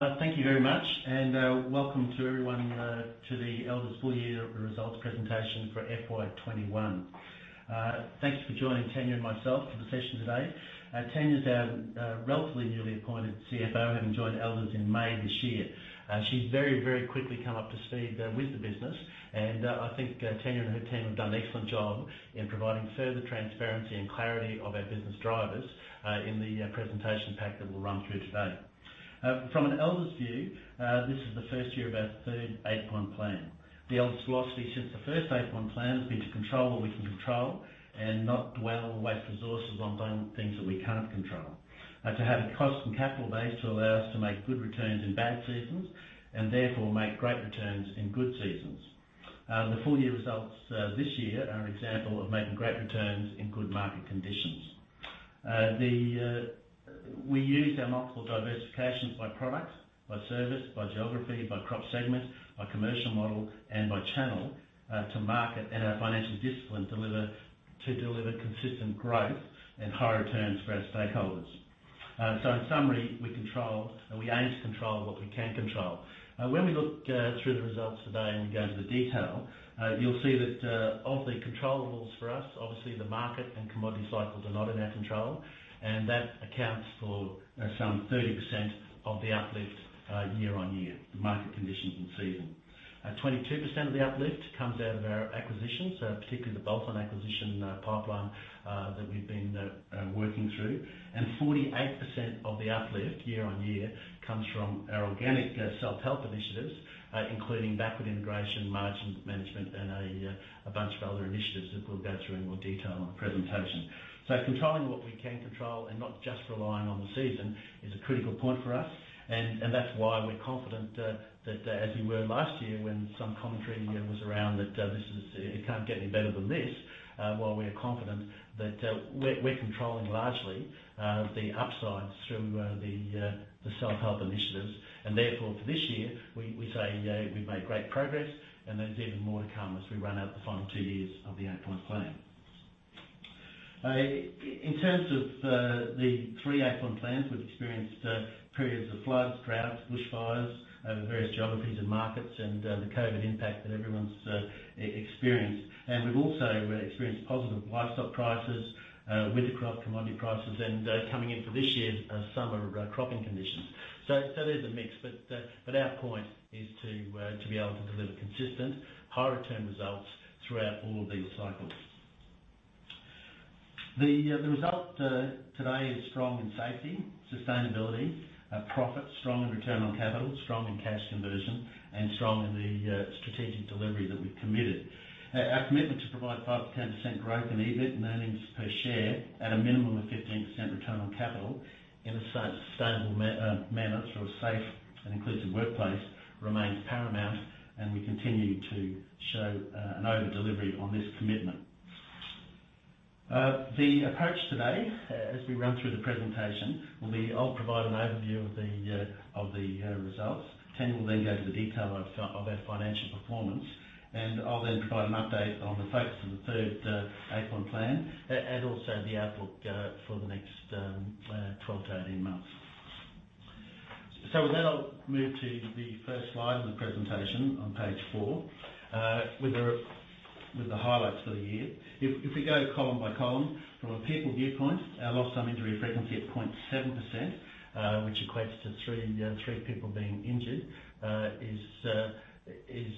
Thank you very much and welcome to everyone to the Elders Full Year Results Presentation for FY 2021. Thank you for joining Tania and myself for the session today. Tania's our relatively newly appointed CFO, having joined Elders in May this year. She's very, very quickly come up to speed with the business. I think Tania and her team have done an excellent job in providing further transparency and clarity of our business drivers in the presentation pack that we'll run through today. From an Elders view, this is the first year of our third Eight Point Plan. The Elders philosophy since the first Eight Point Plan has been to control what we can control and not dwell or waste resources on things that we can't control. To have a cost and capital base to allow us to make good returns in bad seasons and therefore make great returns in good seasons. The full year results this year are an example of making great returns in good market conditions. We use our multiple diversifications by product, by service, by geography, by crop segment, by commercial model, and by channel to market and our financial discipline to deliver consistent growth and high returns for our stakeholders. In summary, we control and we aim to control what we can control. When we look through the results today and we go into the detail, you'll see that of the controllables for us, obviously the market and commodity cycles are not in our control, and that accounts for some 30% of the uplift year-on-year, the market conditions and season. 22% of the uplift comes out of our acquisitions, so particularly the bolt-on acquisition pipeline that we've been working through. 48% of the uplift year-on-year comes from our organic self-help initiatives, including backward integration, margin management and a bunch of other initiatives that we'll go through in more detail on the presentation. Controlling what we can control and not just relying on the season is a critical point for us and that's why we're confident that as you were last year when some commentary was around that this is it can't get any better than this. While we're confident that we're controlling largely the upsides through the self-help initiatives and therefore for this year we say we've made great progress and there's even more to come as we run out the final two years of the Eight Point Plan. In terms of the three Eight Point Plans, we've experienced periods of floods, droughts, bushfires over various geographies and markets and the COVID impact that everyone's experienced. We've also experienced positive livestock prices with the crop commodity prices and coming into this year's summer cropping conditions. There's a mix. Our point is to be able to deliver consistent high return results throughout all of these cycles. The result today is strong in safety, sustainability, profit, strong in return on capital, strong in cash conversion, and strong in the strategic delivery that we've committed. Our commitment to provide 5%-10% growth in EBIT and earnings per share at a minimum of 15% return on capital in a sustainable manner through a safe and inclusive workplace remains paramount and we continue to show an over delivery on this commitment. The approach today as we run through the presentation will be I'll provide an overview of the results. Tania will then go to the detail of our financial performance, and I'll then provide an update on the focus of the third Eight Point Plan and also the outlook for the next 12-18 months. With that I'll move to the first slide of the presentation on page four with the highlights for the year. We go column by column from a people viewpoint. Our lost time injury frequency at 0.7%, which equates to three people being injured, is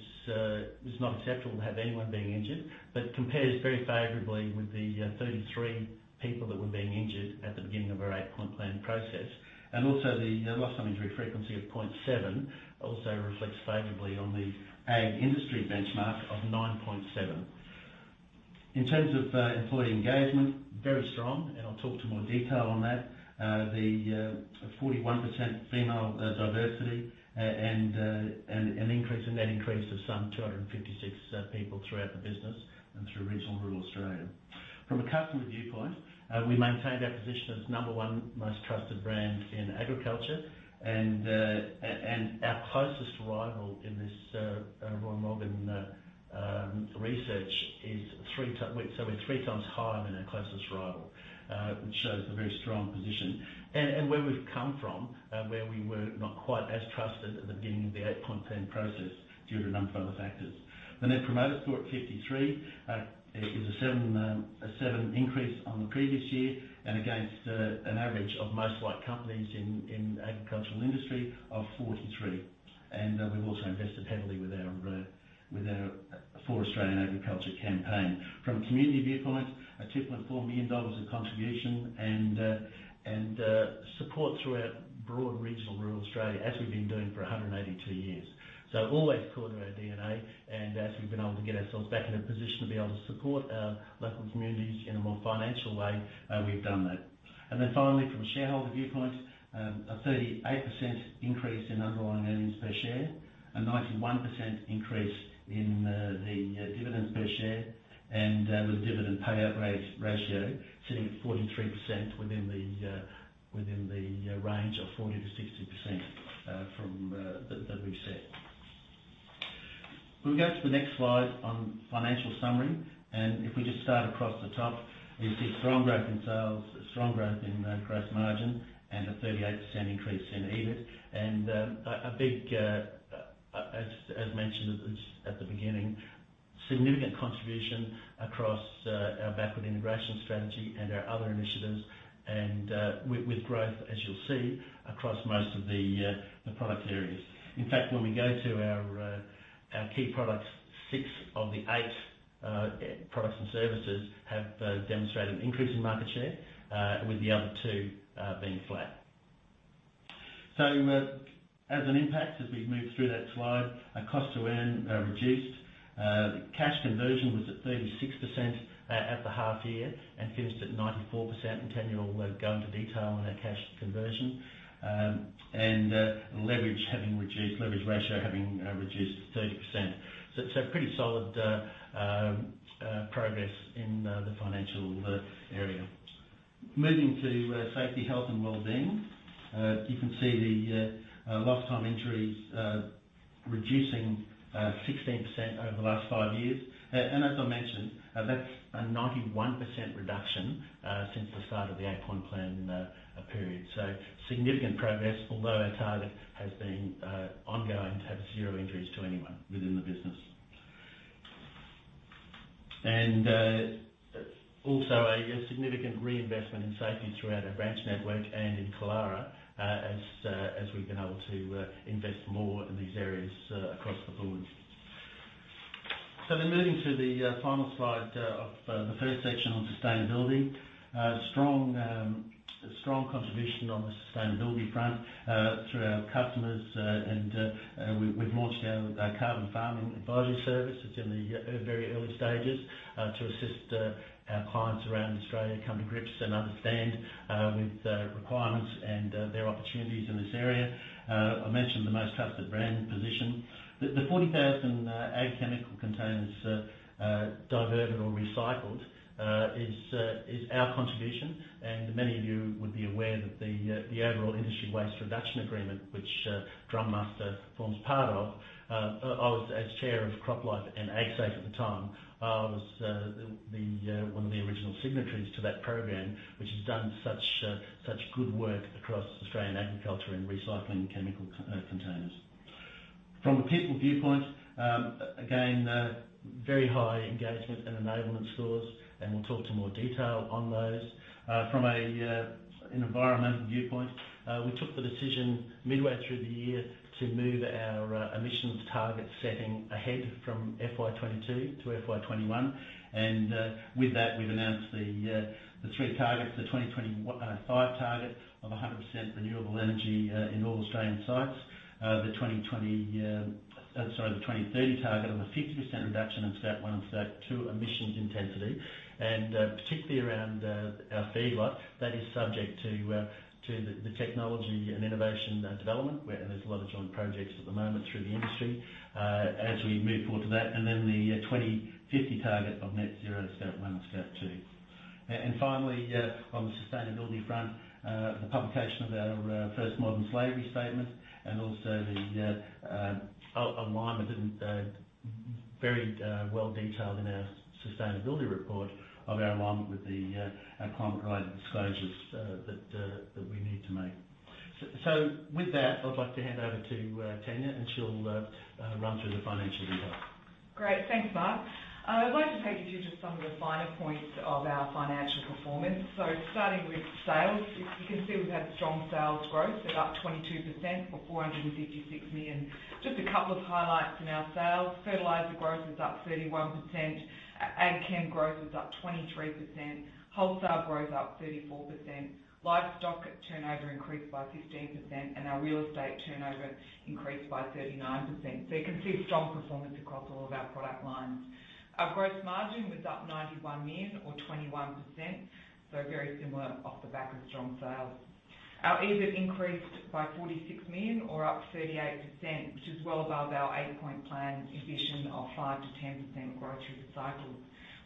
not acceptable to have anyone being injured, but compares very favorably with the 33 people that were being injured at the beginning of our Eight Point Plan process. The lost time injury frequency of 0.7 also reflects favorably on the Ag industry benchmark of 9.7. In terms of employee engagement, very strong, and I'll talk to more detail on that. The 41% female diversity and an increase in net increase of some 256 people throughout the business and through regional rural Australia. From a customer viewpoint, we maintained our position as number one most trusted brand in agriculture and our closest rival in this Roy Morgan research so we're 3x higher than our closest rival, which shows a very strong position. Where we've come from, we were not quite as trusted at the beginning of the Eight Point Plan process due to a number of other factors. The Net Promoter Score at 53 is a 7 increase on the previous year and against an average of most like companies in agricultural industry of 43. We've also invested heavily with our For Australian Agriculture campaign. From a community viewpoint, a total of 4 million dollars in contribution and support throughout broad regional rural Australia, as we've been doing for 182 years. Always core to our DNA and as we've been able to get ourselves back in a position to be able to support our local communities in a more financial way, we've done that. Finally from a shareholder viewpoint, a 38% increase in underlying earnings per share, a 91% increase in the dividends per share, and the dividend payout ratio sitting at 43% within the range of 40%-60% from that we've set. We'll go to the next slide on financial summary. If we just start across the top, you see strong growth in sales, strong growth in gross margin and a 38% increase in EBIT. As mentioned at the beginning, significant contribution across our backward integration strategy and our other initiatives and with growth, as you'll see across most of the product areas. In fact, when we go to our key products, six of the eight products and services have demonstrated an increase in market share with the other two being flat. As an impact, as we've moved through that slide, our cost to earn reduced. The cash conversion was at 36% at the half year and finished at 94%, and Tania will go into detail on our cash conversion. Leverage ratio having reduced 30%. Pretty solid progress in the financial area. Moving to safety, health and wellbeing. You can see the lost time injuries reducing 16% over the last five years. As I mentioned, that's a 91% reduction since the start of the Eight Point Plan period. Significant progress, although our target has been ongoing to have zero injuries to anyone within the business. Also a significant reinvestment in safety throughout our branch network and in Killara, as we've been able to invest more in these areas across the board. Moving to the final slide of the first section on sustainability. Strong contribution on the sustainability front through our customers. We've launched our carbon farming advisory service. It's in the very early stages to assist our clients around Australia come to grips and understand with the requirements and their opportunities in this area. I mentioned the most trusted brand position. The 40,000 Ag chemical containers diverted or recycled is our contribution. Many of you would be aware that the overall industry waste reduction agreement, which drumMUSTER forms part of, I was, as chair of CropLife and Agsafe at the time, I was the one of the original signatories to that program, which has done such good work across Australian agriculture in recycling chemical containers. From a people viewpoint, again, very high engagement and enablement scores, and we'll talk in more detail on those. From an environmental viewpoint, we took the decision midway through the year to move our emissions target setting ahead from FY 2022 to FY 2021. With that, we've announced the three targets, the 2025 target of 100% renewable energy in all Australian sites. The 2030 target of a 50% reduction in Scope 1 and Scope 2 emissions intensity, particularly around our feedlot, that is subject to the technology and innovation development, where there's a lot of joint projects at the moment through the industry as we move forward to that. Then the 2050 target of net zero, Scope 1 and Scope 2. Finally, on the sustainability front, the publication of our first modern slavery statement and also the alignment and very well detailed in our sustainability report of our alignment with our climate-related disclosures that we need to make. With that, I'd like to hand over to Tania, and she'll run through the financial detail. Great. Thanks, Mark. I'd like to take you through just some of the finer points of our financial performance. Starting with sales, you can see we've had strong sales growth, about 22% or 466 million. Just a couple of highlights in our sales. Fertilizer growth was up 31%. AgChem growth was up 23%. Wholesale growth up 34%. Livestock turnover increased by 15%, and our real estate turnover increased by 39%. You can see strong performance across all of our product lines. Our gross margin was up 91 million or 21%, so very similar off the back of strong sales. Our EBIT increased by 46 million or up 38%, which is well above our Eight Point Plan ambition of 5%-10% growth through the cycle.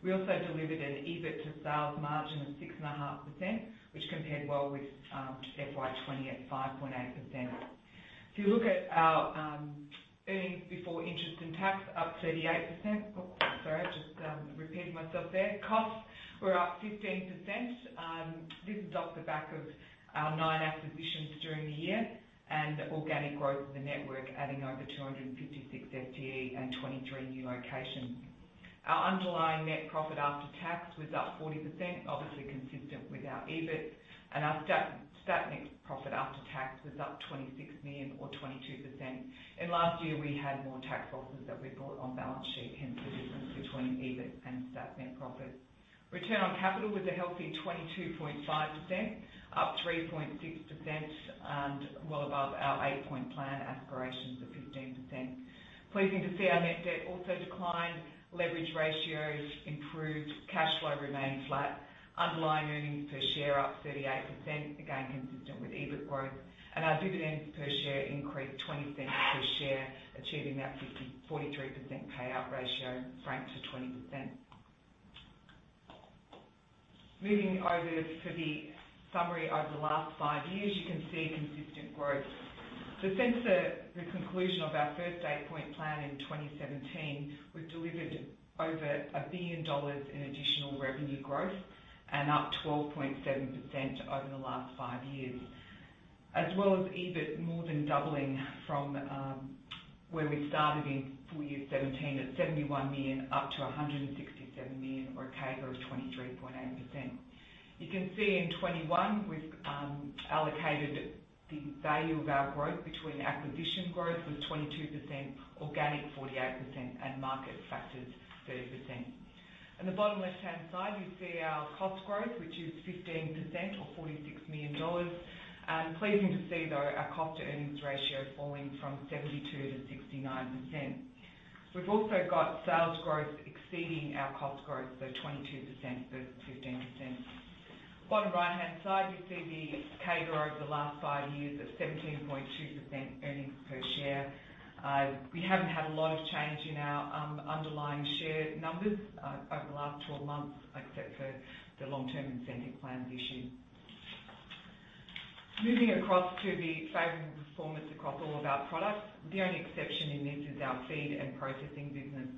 We also delivered an EBIT to sales margin of 6.5%, which compared well with FY 2020 at 5.8%. If you look at our earnings before interest and tax up 38%. Oops, sorry, I just repeated myself there. Costs were up 15%. This is off the back of our nine acquisitions during the year and organic growth of the network, adding over 256 FTE and 23 new locations. Our underlying net profit after tax was up 40%, obviously consistent with our EBIT, and our stat net profit after tax was up 26 million or 22%. Last year, we had more tax losses that we brought on balance sheet, hence the difference between EBIT and stat net profit. Return on capital was a healthy 22.5%, up 3.6%, and well above our Eight Point Plan aspirations of 15%. Pleasing to see our net debt also decline. Leverage ratios improved. Cash flow remained flat. Underlying earnings per share up 38%, again, consistent with EBIT growth. Our dividends per share increased 0.20 per share, achieving that 43% payout ratio, franked to 20%. Moving over to the summary over the last five years, you can see consistent growth. Since the conclusion of our first Eight Point Plan in 2017, we've delivered over 1 billion dollars in additional revenue growth and up 12.7% over the last five years. As well as EBIT more than doubling from where we started in FY 2017 at 71 million up to 167 million or a CAGR of 23.8%. You can see in 2021, we've allocated the value of our growth between acquisition growth was 22%, organic 48%, and market factors 30%. In the bottom left-hand side, you see our cost growth, which is 15% or 46 million dollars. Pleasing to see though our cost to earnings ratio falling from 72%-69%. We've also got sales growth exceeding our cost growth, so 22% versus 15%. Bottom right-hand side, you see the CAGR over the last five years of 17.2% earnings per share. We haven't had a lot of change in our underlying share numbers over the last 12 months, except for the long-term incentive plans issued. Moving across to the favorable performance across all of our products. The only exception in this is our feed and processing business.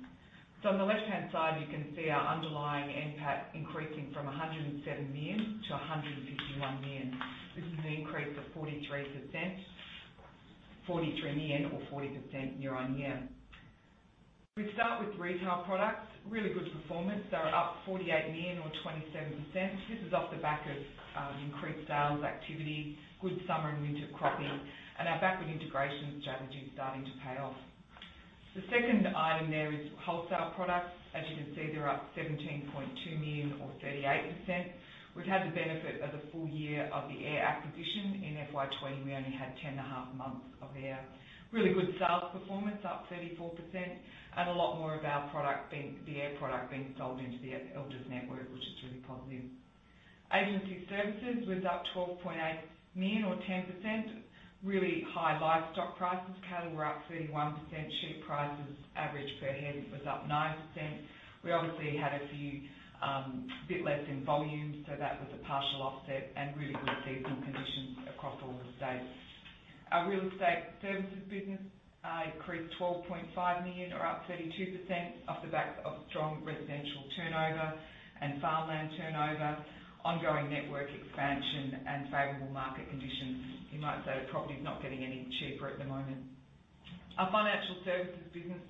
On the left-hand side, you can see our underlying NPAT increasing from 107 million-151 million. This is an increase of 43 million or 40% year-on-year. We start with retail products. Really good performance. They're up 48 million or 27%. This is off the back of increased sales activity, good summer and winter cropping, and our backward integration strategy starting to pay off. The second item there is wholesale products. As you can see, they're up 17.2 million or 38%. We've had the benefit of the full year of the AIRR acquisition. In FY 2020, we only had 10.5 months of AIRR. Really good sales performance, up 34%, and a lot more of our product being sold into the Elders network, which is really positive. Agency services was up 12.8 million or 10%. Really high livestock prices. Cattle were up 31%. Sheep prices average per head was up 9%. We obviously had a few bit less in volume, so that was a partial offset and really good seasonal conditions across all the states. Our real estate services business increased 12.5 million or up 32% off the back of strong residential turnover and farmland turnover, ongoing network expansion and favorable market conditions. You might say property is not getting any cheaper at the moment. Our financial services business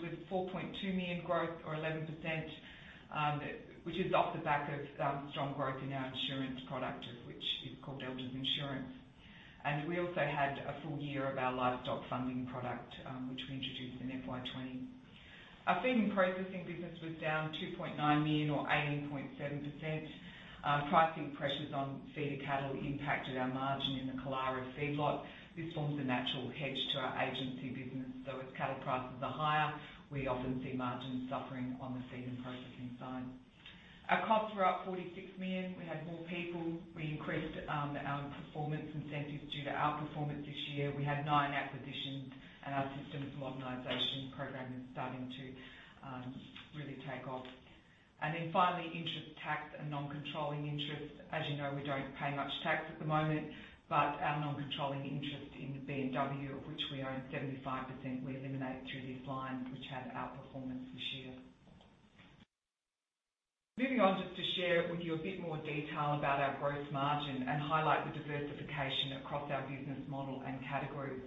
did 4.2 million growth or 11%, which is off the back of strong growth in our insurance product, of which is called Elders Insurance. We also had a full year of our livestock funding product, which we introduced in FY 2020. Our feed and processing business was down 2.9 million or 18.7%. Pricing pressures on feeder cattle impacted our margin in the Killara feedlot. This forms a natural hedge to our agency business, so as cattle prices are higher, we often see margins suffering on the feed and processing side. Our costs were up 46 million. We had more people. We increased our performance incentives due to outperformance this year. We had nine acquisitions and our systems modernization program is starting to really take off. Finally, interest, tax and non-controlling interest. As you know, we don't pay much tax at the moment, but our non-controlling interest in the ABMW, of which we own 75%, we eliminate through this line, which had outperformance this year. Moving on just to share with you a bit more detail about our gross margin and highlight the diversification across our business model and categories.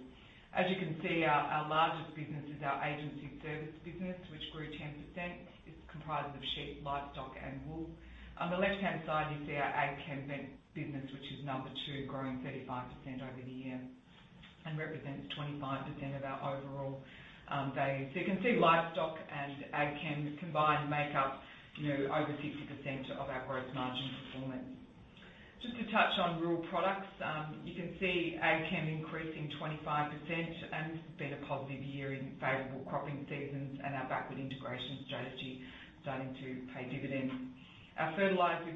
As you can see, our largest business is our agency service business, which grew 10%. It's comprised of sheep, livestock, and wool. On the left-hand side, you see our AgChem and vet business, which is number two, growing 35% over the year and represents 25% of our overall value. You can see livestock and AgChem combined make up, you know, over 60% of our gross margin performance. Just to touch on rural products, you can see AgChem increasing 25% and it's been a positive year in favorable cropping seasons and our backward integration strategy starting to pay dividends. Our Fertilizer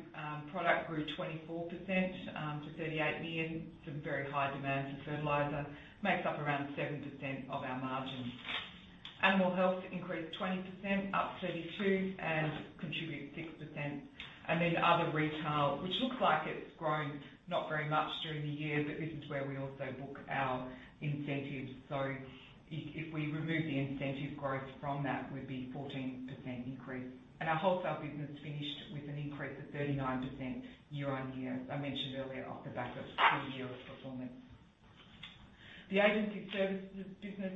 product grew 24%, to 38 million. Some very high demand for fertilizer. Makes up around 7% of our margins. Animal Health increased 20%, up 32 million and contributes 6%. Then other retail, which looks like it's grown not very much during the year, but this is where we also book our incentives. If we remove the incentive growth from that, we'd be 14% increase. Our wholesale business finished with an increase of 39% year-on-year, as I mentioned earlier, off the back of full year of performance. The agency services business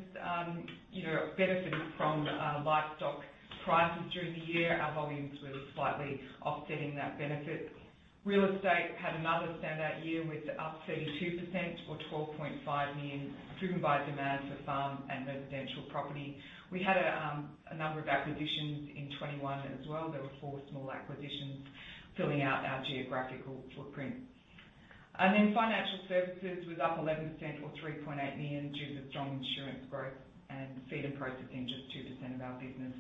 benefited from livestock prices during the year. Our volumes were slightly offsetting that benefit. Real estate had another standout year with up 32% or 12.5 million, driven by demand for farm and residential property. We had a number of acquisitions in 2021 as well. There were four small acquisitions filling out our geographical footprint. Financial services was up 11% or 3.8 million due to strong insurance growth and feed and processing, just 2% of our business,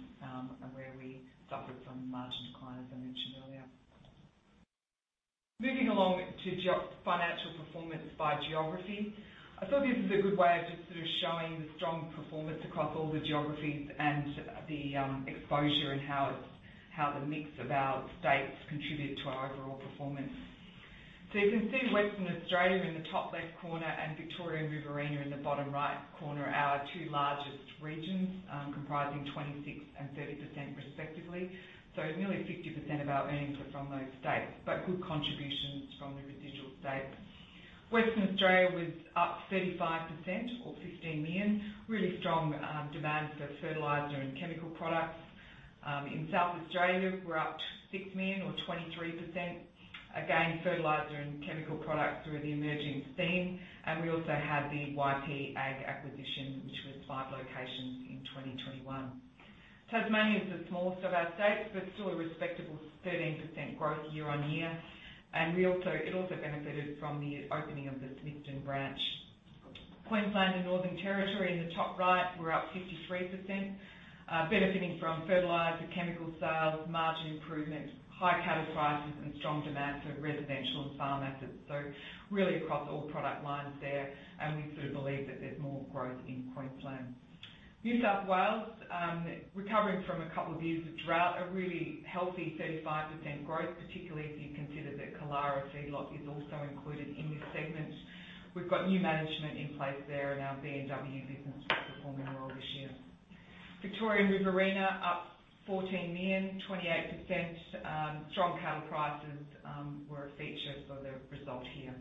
where we suffered from margin decline, as I mentioned earlier. Moving on to financial performance by geography. I thought this is a good way of just sort of showing the strong performance across all the geographies and the exposure and how the mix of our states contributed to our overall performance. You can see Western Australia in the top left corner and Victoria and Riverina in the bottom right corner are our two largest regions, comprising 26% and 30% respectively. Nearly 50% of our earnings were from those states, but good contributions from the residual states. Western Australia was up 35% or 15 million. Really strong demand for fertilizer and chemical products. In South Australia, we're up 6 million or 23%. Again, Fertilizer and Chemical products were the emerging theme. We also had the YP Ag acquisition, which was five locations in 2021. Tasmania is the smallest of our states, but still a respectable 13% growth year-on-year. It also benefited from the opening of the Smithton branch. Queensland and Northern Territory in the top right were up 53%, benefiting from fertilizer, chemical sales, margin improvements, high cattle prices, and strong demand for residential and farm assets. Really across all product lines there, and we sort of believe that there's more growth in Queensland. New South Wales, recovering from a couple of years of drought, a really healthy 35% growth, particularly if you consider that Killara Feedlot is also included in this segment. We've got new management in place there, and our ABMW business is performing well this year. Victoria and Riverina up 14 million, 28%. Strong cattle prices were a feature for the result here.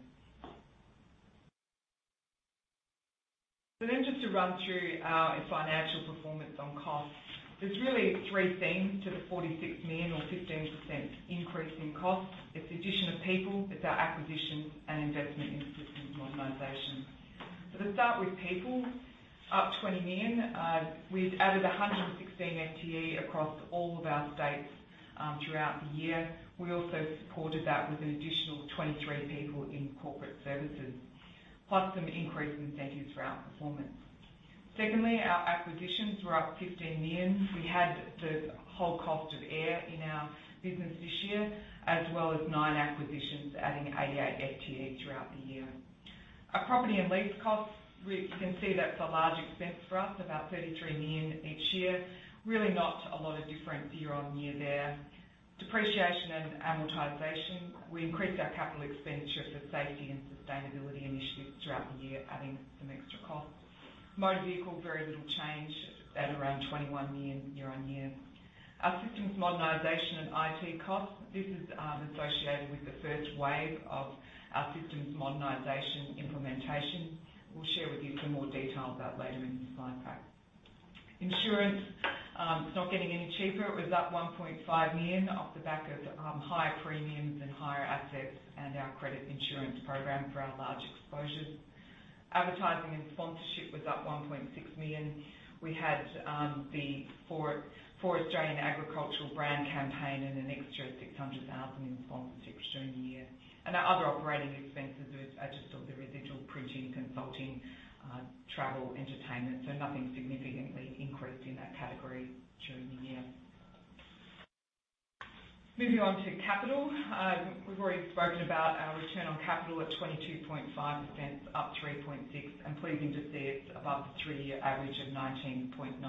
Just to run through our financial performance on costs. There's really three themes to the 46 million or 15% increase in costs. It's addition of people, it's our acquisitions, and investment in systems and organization. To start with people, up 20 million. We've added 116 FTE across all of our states throughout the year. We also supported that with an additional 23 people in corporate services, plus some increased incentives for outperformance. Secondly, our acquisitions were up 15 million. We had the whole cost of AIRR in our business this year, as well as nine acquisitions adding 88 FTE throughout the year. Our property and lease costs, you can see that's a large expense for us, about 33 million each year. Really not a lot of difference year-on-year there. Depreciation and amortization, we increased our capital expenditure for safety and sustainability initiatives throughout the year, adding some extra costs. Motor vehicle, very little change at around 21 million year-on-year. Our systems modernization and IT costs, this is associated with the first wave of our systems modernization implementation. We'll share with you some more detail of that later in the slide pack. Insurance, it's not getting any cheaper. It was up 1.5 million off the back of higher premiums and higher assets and our credit insurance program for our large exposures. Advertising and sponsorship was up 1.6 million. We had the For Australian Agriculture brand campaign and an extra 600,000 in sponsorships during the year. Our other operating expenses are just all the residual printing, consulting, travel, entertainment. Nothing significantly increased in that category during the year. Moving on to capital. We've already spoken about our return on capital at 22.5%, up 3.6, and pleasing to see it's above the three-year average of 19.9%.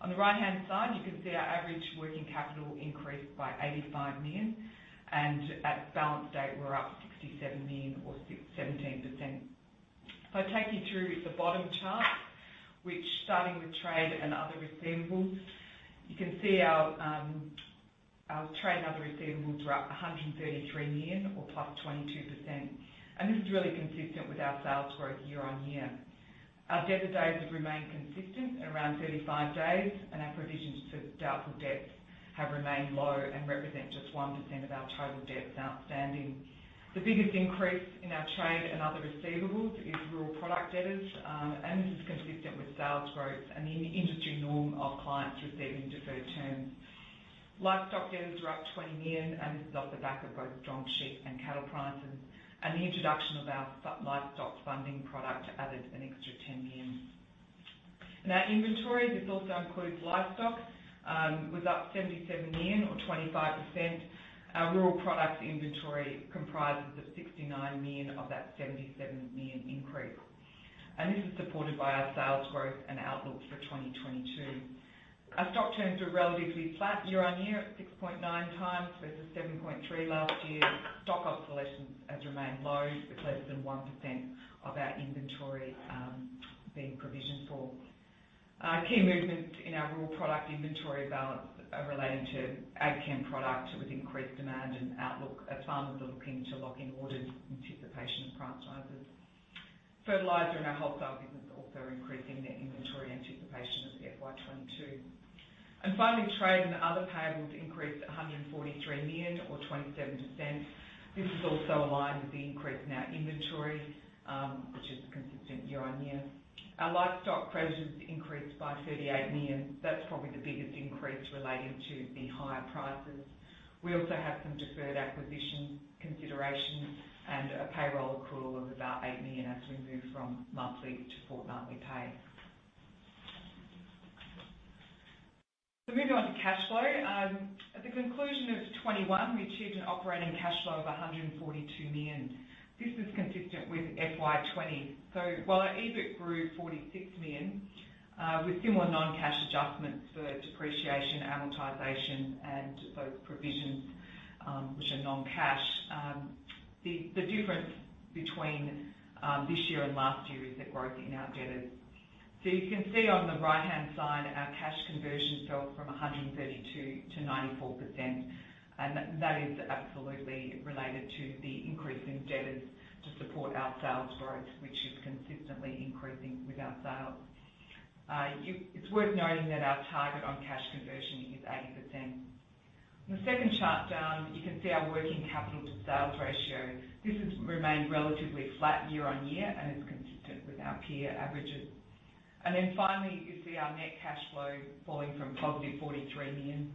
On the right-hand side, you can see our average working capital increased by 85 million, and at balance date, we're up 67 million or 17%. If I take you through the bottom chart, which, starting with trade and other receivables, you can see our trade and other receivables were up 133 million or +22%. This is really consistent with our sales growth year-on-year. Our debtor days have remained consistent at around 35 days, and our provisions for doubtful debts have remained low and represent just 1% of our total debts outstanding. The biggest increase in our trade and other receivables is rural product debtors, and this is consistent with sales growth and the in-industry norm of clients receiving deferred terms. Livestock debtors were up 20 million, and this is off the back of both strong sheep and cattle prices, and the introduction of our livestock funding product added an extra 10 million. In our inventory, this also includes livestock, was up 77 million or 25%. Our rural product inventory comprises of 69 million of that 77 million increase. This is supported by our sales growth and outlook for 2022. Our stock turns were relatively flat year-on-year at 6.9x versus 7.3 last year. Stock obsolescence has remained low, with less than 1% of our inventory being provisioned for. Key movements in our rural product inventory balance are relating to Ag chem products with increased demand and outlook as farmers are looking to lock in orders in anticipation of price rises. Fertilizer and our wholesale business also increasing their inventory in anticipation of FY 2022. Finally, trade and other payables increased 143 million or 27%. This is also aligned with the increase in our inventory, which is consistent year-on-year. Our livestock creditors increased by 38 million. That's probably the biggest increase relating to the higher prices. We also have some deferred acquisition consideration and a payroll accrual of about 8 million as we move from monthly to fortnightly pay. Moving on to cash flow. At the conclusion of 2021, we achieved an operating cash flow of 142 million. This is consistent with FY 2020. While our EBIT grew 46 million, with similar non-cash adjustments for depreciation, amortization, and those provisions, which are non-cash, the difference between this year and last year is the growth in our debtors. You can see on the right-hand side, our cash conversion fell from 132%-94%, and that is absolutely related to the increase in debtors to support our sales growth, which is consistently increasing with our sales. It's worth noting that our target on cash conversion is 80%. The second chart down, you can see our working capital to sales ratio. This has remained relatively flat year-on-year and is consistent with our peer averages. Finally, you see our net cash flow falling from positive 43 million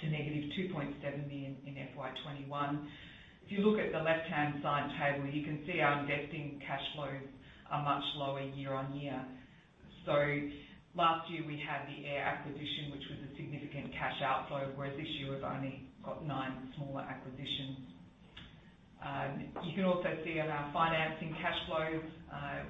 to negative 2.7 million in FY 2021. If you look at the left-hand side table, you can see our investing cash flows are much lower year-on-year. Last year we had the AIRR acquisition, which was a significant cash outflow, whereas this year we've only got nine smaller acquisitions. You can also see on our financing cash flows,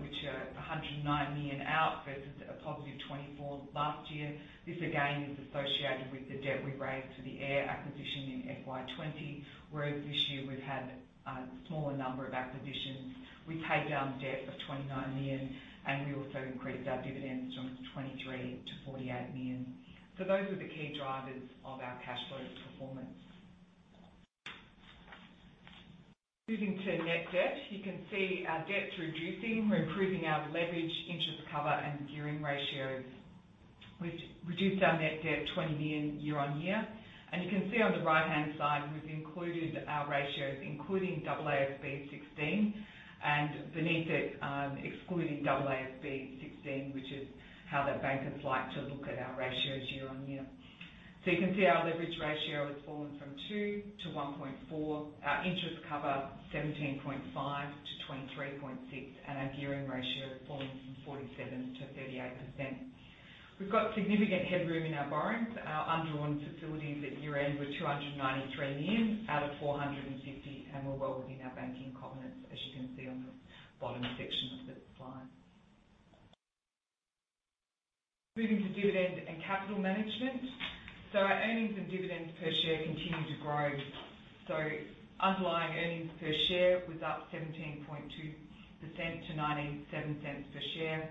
which are 109 million out versus a positive 24 million last year. This again is associated with the debt we raised for the AIRR acquisition in FY 2020, whereas this year we've had a smaller number of acquisitions. We paid down debt of 29 million, and we also increased our dividends from 23 million-48 million. Those were the key drivers of our cash flow performance. Moving to net debt. You can see our debt's reducing. We're improving our leverage, interest cover, and gearing ratios. We've reduced our net debt 20 million year on year. You can see on the right-hand side, we've included our ratios, including AASB 16 and beneath it, excluding AASB 16, which is how the bankers like to look at our ratios year on year. You can see our leverage ratio has fallen from 2 to 1.4. Our interest cover, 17.5-23.6, and our gearing ratio has fallen from 47%-38%. We've got significant headroom in our borrowings. Our undrawn facilities at year-end were 293 million out of 450 million, and we're well within our banking covenants, as you can see on the bottom section of the slide. Moving to dividend and capital management. Our earnings and dividends per share continue to grow. Underlying earnings per share was up 17.2% to 0.97 per share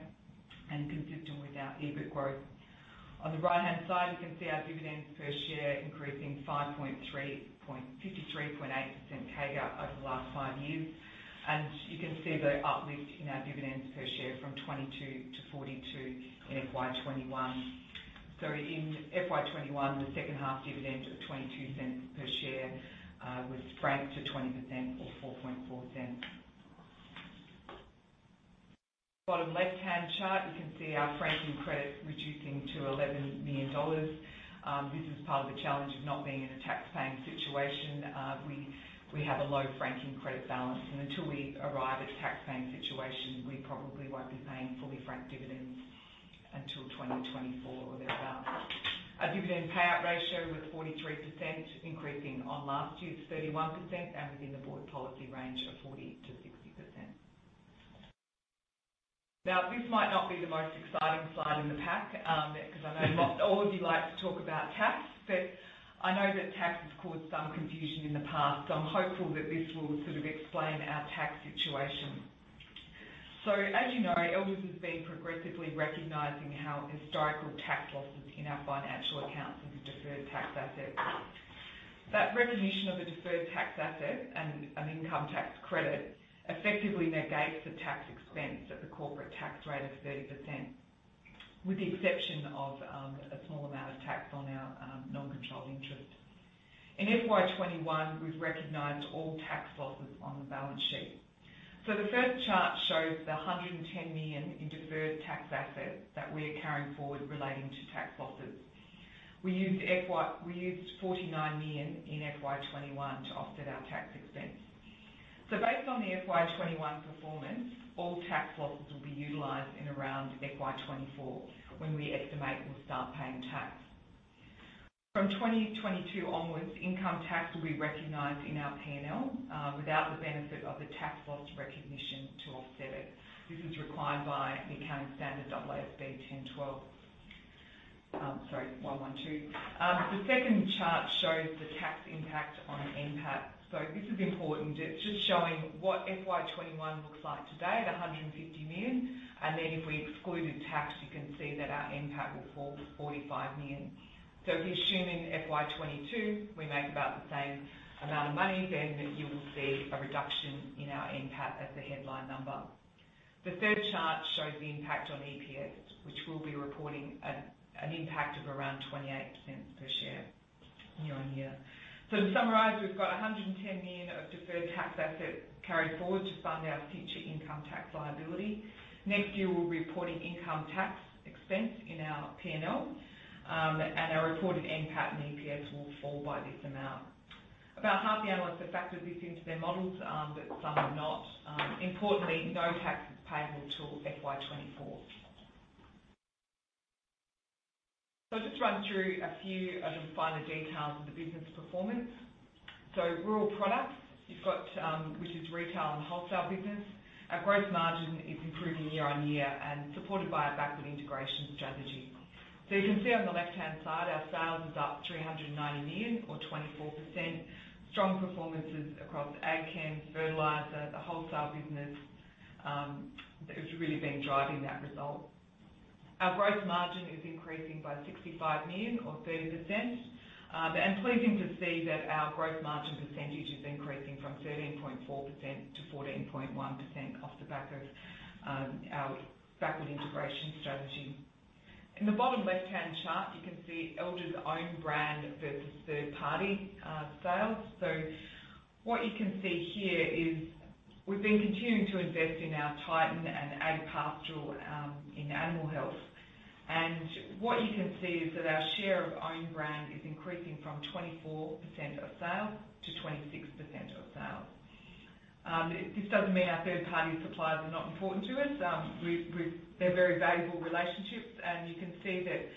and consistent with our EBIT growth. On the right-hand side, you can see our dividends per share increasing 53.8% CAGR over the last five years. You can see the uplift in our dividends per share from 22 to 42 in FY 2021. In FY 2021, the second half dividends of 0.22 per share was franked to 20% or 0.044. Bottom left-hand chart, you can see our franking credit reducing to 11 million dollars. This is part of the challenge of not being in a tax paying situation. We have a low franking credit balance and until we arrive at a tax paying situation, we probably won't be paying fully franked dividends until 2024 or thereafter. Our dividend payout ratio was 43%, increasing on last year's 31% and within the board policy range of 40%-60%. Now, this might not be the most exciting slide in the pack, because I know not all of you like to talk about tax, but I know that tax has caused some confusion in the past. I'm hopeful that this will sort of explain our tax situation. As you know, Elders has been progressively recognizing our historical tax losses in our financial accounts as a deferred tax asset. That recognition of the deferred tax asset and an income tax credit effectively negates the tax expense at the corporate tax rate of 30%, with the exception of a small amount of tax on our non-controlled interest. In FY 2021, we've recognized all tax losses on the balance sheet. The first chart shows 110 million in deferred tax asset that we are carrying forward relating to tax losses. We used 49 million in FY 2021 to offset our tax expense. Based on the FY 2021 performance, all tax losses will be utilized in around FY 2024 when we estimate we'll start paying tax. From 2022 onwards, income tax will be recognized in our P&L without the benefit of the tax loss recognition to offset it. This is required by the accounting standard AASB 112. The second chart shows the tax impact on NPAT. This is important. It's just showing what FY 2021 looks like today at 150 million. Then if we excluded tax, you can see that our NPAT will fall to 45 million. If you assume in FY 2022 we make about the same amount of money, then you will see a reduction in our NPAT as the headline number. The third chart shows the impact on EPS, which we'll be reporting at an impact of around 0.28 per share year-on-year. To summarize, we've got 110 million of deferred tax asset carried forward to fund our future income tax liability. Next year, we'll be reporting income tax expense in our P&L, and our reported NPAT and EPS will fall by this amount. About half the analysts have factored this into their models, but some have not. Importantly, no tax is payable till FY 2024. I'll just run through a few of the finer details of the business performance. Rural Products, you've got, which is retail and wholesale business. Our gross margin is improving year-on-year and supported by our backward integration strategy. You can see on the left-hand side, our sales is up 390 million or 24%. Strong performances across AgChem, Fertilizer, the wholesale business, has really been driving that result. Our gross margin is increasing by 65 million or 30%. Pleasing to see that our gross margin percentage is increasing from 13.4%-14.1% off the back of our backward integration strategy. In the bottom left-hand chart, you can see Elders' own brand versus third-party sales. What you can see here is we've been continuing to invest in our Titan Ag and Pastoral Ag, in Animal Health. What you can see is that our share of own brand is increasing from 24% of sales to 26% of sales. This doesn't mean our third-party suppliers are not important to us. We've, they're very valuable relationships, and you can see that,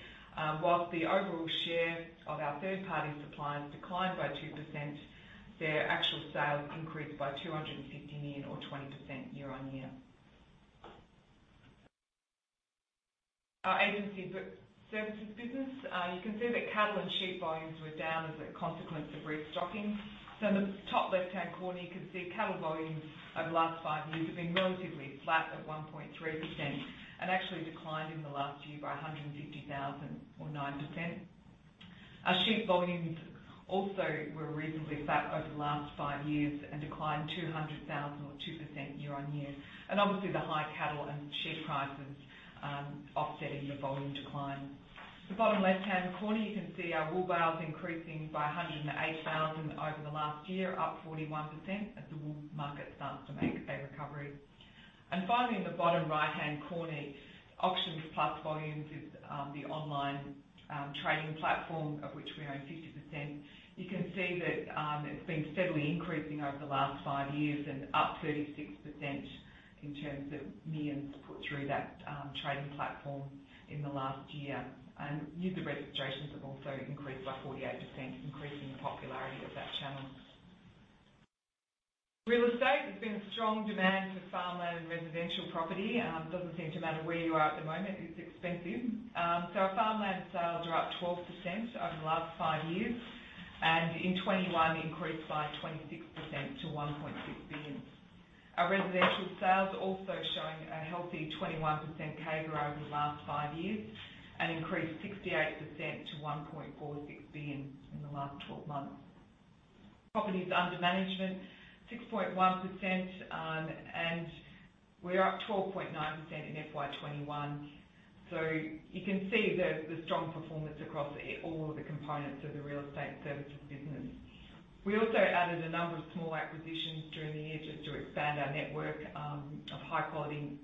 while the overall share of our third-party suppliers declined by 2%, their actual sales increased by 250 million or 20% year-on-year. Our agency services business, you can see that cattle and sheep volumes were down as a consequence of restocking. In the top left-hand corner, you can see cattle volumes over the last five years have been relatively flat at 1.3% and actually declined in the last year by 150,000 or 9%. Our sheep volumes also were reasonably flat over the last five years and declined 200,000 or 2% year-on-year. Obviously, the high cattle and sheep prices offsetting the volume decline. The bottom left-hand corner, you can see our wool bales increasing by 108,000 over the last year, up 41% as the wool market starts to make a recovery. Finally, in the bottom right-hand corner, AuctionsPlus volumes is the online trading platform of which we own 50%. You can see that it's been steadily increasing over the last five years and up 36% in terms of millions put through that trading platform in the last year. User registrations have also increased by 48%, increasing the popularity of that channel. There has been strong demand for farmland residential property. It doesn't seem to matter where you are at the moment, it's expensive. Our farmland sales are up 12% over the last five years, and in 2021 increased by 26% to 1.6 billion. Our residential sales also showing a healthy 21% CAGR over the last five years and increased 68% to 1.46 billion in the last 12 months. Properties under management, 6.1%, and we're up 12.9% in FY 2021. You can see the strong performance across all of the components of the real estate services business. We also added a number of small acquisitions during the year just to expand our network of high-quality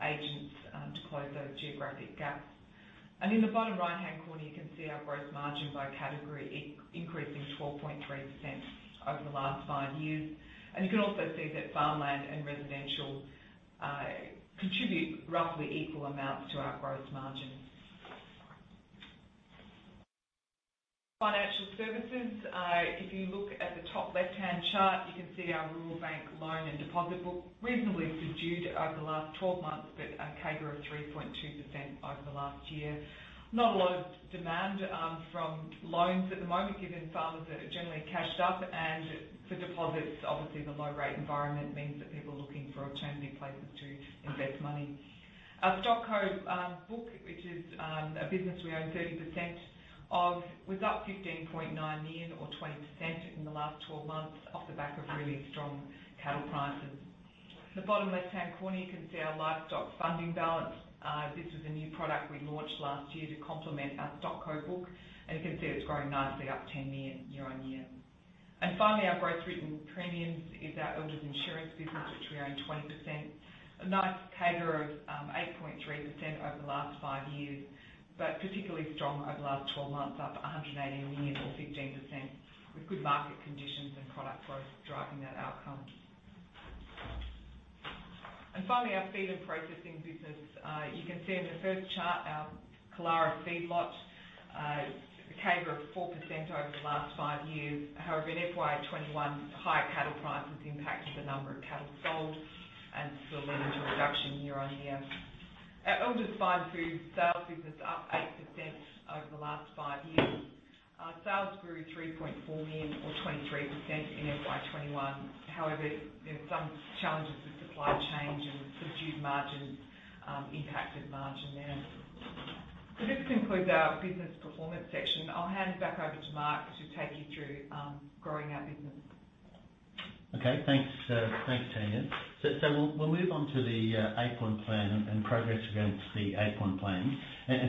agents to close those geographic gaps. In the bottom right-hand corner, you can see our gross margin by category increasing 12.3% over the last five years. You can also see that farmland and residential contribute roughly equal amounts to our gross margin. Financial services. If you look at the top left-hand chart, you can see our Rural Bank loan and deposit book reasonably subdued over the last 12 months, but a CAGR of 3.2% over the last year. Not a lot of demand from loans at the moment, given farmers are generally cashed up. For deposits, obviously, the low rate environment means that people are looking for alternative places to invest money. Our StockCo book, which is a business we own 30% of, was up 15.9 million or 20% in the last 12 months off the back of really strong cattle prices. The bottom left-hand corner, you can see our livestock funding balance. This was a new product we launched last year to complement our StockCo book, and you can see it's growing nicely up 10 million year-on-year. Finally, our gross written premiums is our Elders Insurance business, which we own 20%. A nice CAGR of 8.3% over the last five years, but particularly strong over the last 12 months, up 180 million or 15%, with good market conditions and product growth driving that outcome. Finally, our feed and processing business. You can see in the first chart our Killara feedlot, a CAGR of 4% over the last five years. However, in FY 2021, high cattle prices impacted the number of cattle sold and so led into a reduction year-on-year. Our Elders Fine Foods sales business up 8% over the last five years. Sales grew 3.4 million or 23% in FY 2021. However, there are some challenges with supply chain and subdued margins, impacted margin there. This concludes our business performance section. I'll hand it back over to Mark to take you through growing our business. Okay, thanks, Tania. We'll move on to the Eight Point Plan and progress against the Eight Point Plan.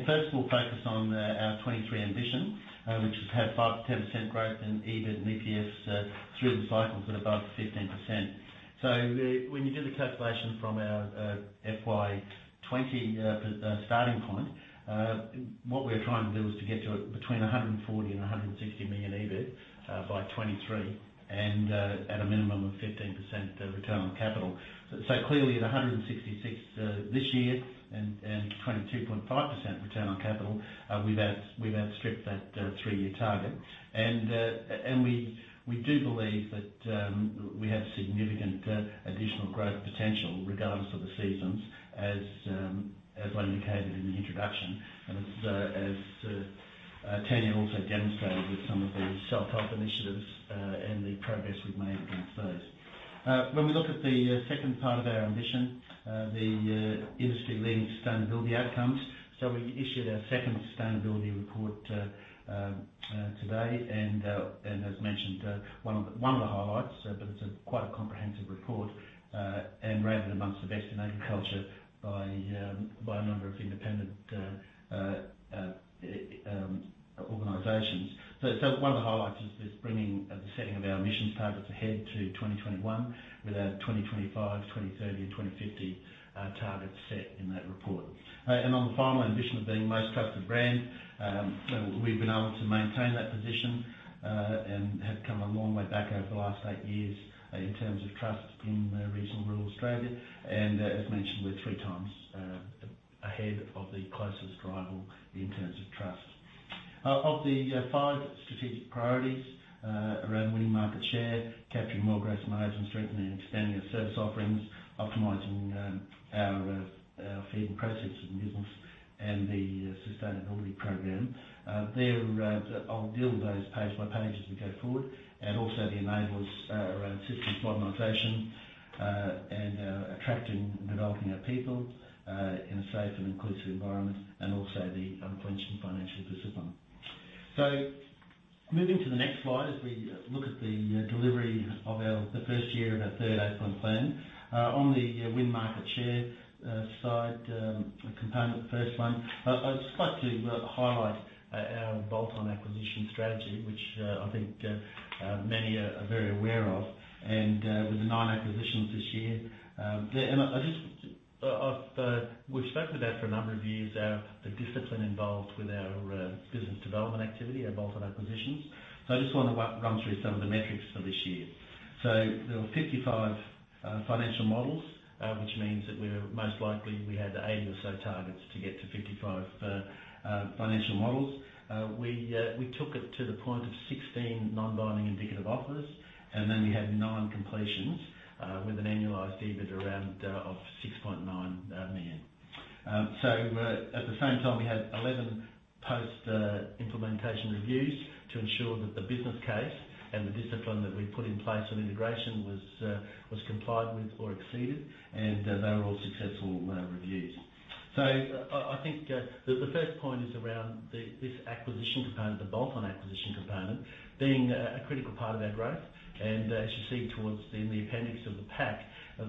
First of all, focus on our 2023 ambition, which is have 5%-10% growth in EBIT and EPS through the cycle to above 15%. When you do the calculation from our FY 2020 starting point, what we're trying to do is to get to between 140 million and 160 million EBIT by 2023 and at a minimum of 15% return on capital. Clearly, at 166 this year and 22.5% return on capital, we've outstripped that three-year target. We do believe that we have significant additional growth potential regardless of the seasons as I indicated in the introduction and as Tania also demonstrated with some of the self-help initiatives and the progress we've made against those. When we look at the second part of our ambition, the industry-leading sustainability outcomes. We issued our second sustainability report today and, as mentioned, one of the highlights, but it's quite a comprehensive report and rated among the best in agriculture by a number of independent organizations. One of the highlights is bringing the setting of our emissions targets ahead to 2021 with our 2025, 2030 and 2050 targets set in that report. On the final ambition of being most trusted brand, we've been able to maintain that position and have come a long way back over the last eight years in terms of trust in regional rural Australia. As mentioned, we're 3x ahead of the closest rival in terms of trust. Of the five strategic priorities around winning market share, capturing more gross margin, strengthening and expanding our service offerings, optimizing our feed and processes of the business and the sustainability program. They're. I'll deal with those page by page as we go forward. Also the enablers around systems modernization and attracting and developing our people in a safe and inclusive environment and also the unflinching financial discipline. Moving to the next slide as we look at the delivery of our, the first year of our third Eight Point Plan. On the win market share side, component, the first one, I'd just like to highlight our bolt-on acquisition strategy, which I think many are very aware of and with the nine acquisitions this year. I just, we've spoken about for a number of years our, the discipline involved with our business development activity, our bolt-on acquisitions. I just wanna run through some of the metrics for this year. There were 55 financial models, which means that we most likely had 80 or so targets to get to 55 financial models. We took it to the point of 16 non-binding indicative offers, and then we had nine completions with an annualized EBIT around of 6.9 million. At the same time we had 11 post implementation reviews to ensure that the business case and the discipline that we put in place on integration was complied with or exceeded, and they were all successful reviews. I think the first point is around this acquisition component, the bolt-on acquisition component, being a critical part of our growth. As you see towards the end in the appendix of the pack,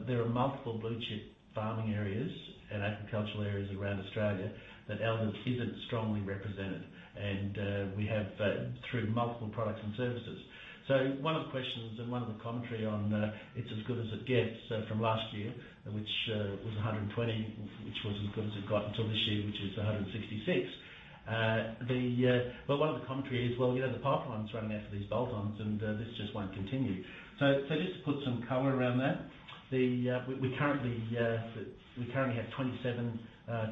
there are multiple blue-chip farming areas and agricultural areas around Australia that Elders isn't strongly represented and we have through multiple products and services. One of the questions and one of the commentary on it's as good as it gets from last year, which was 120, which was as good as it got until this year, which is 166. One of the commentary is, well, you know, the pipeline's running out for these bolt-ons and this just won't continue. Just to put some color around that, we currently have 27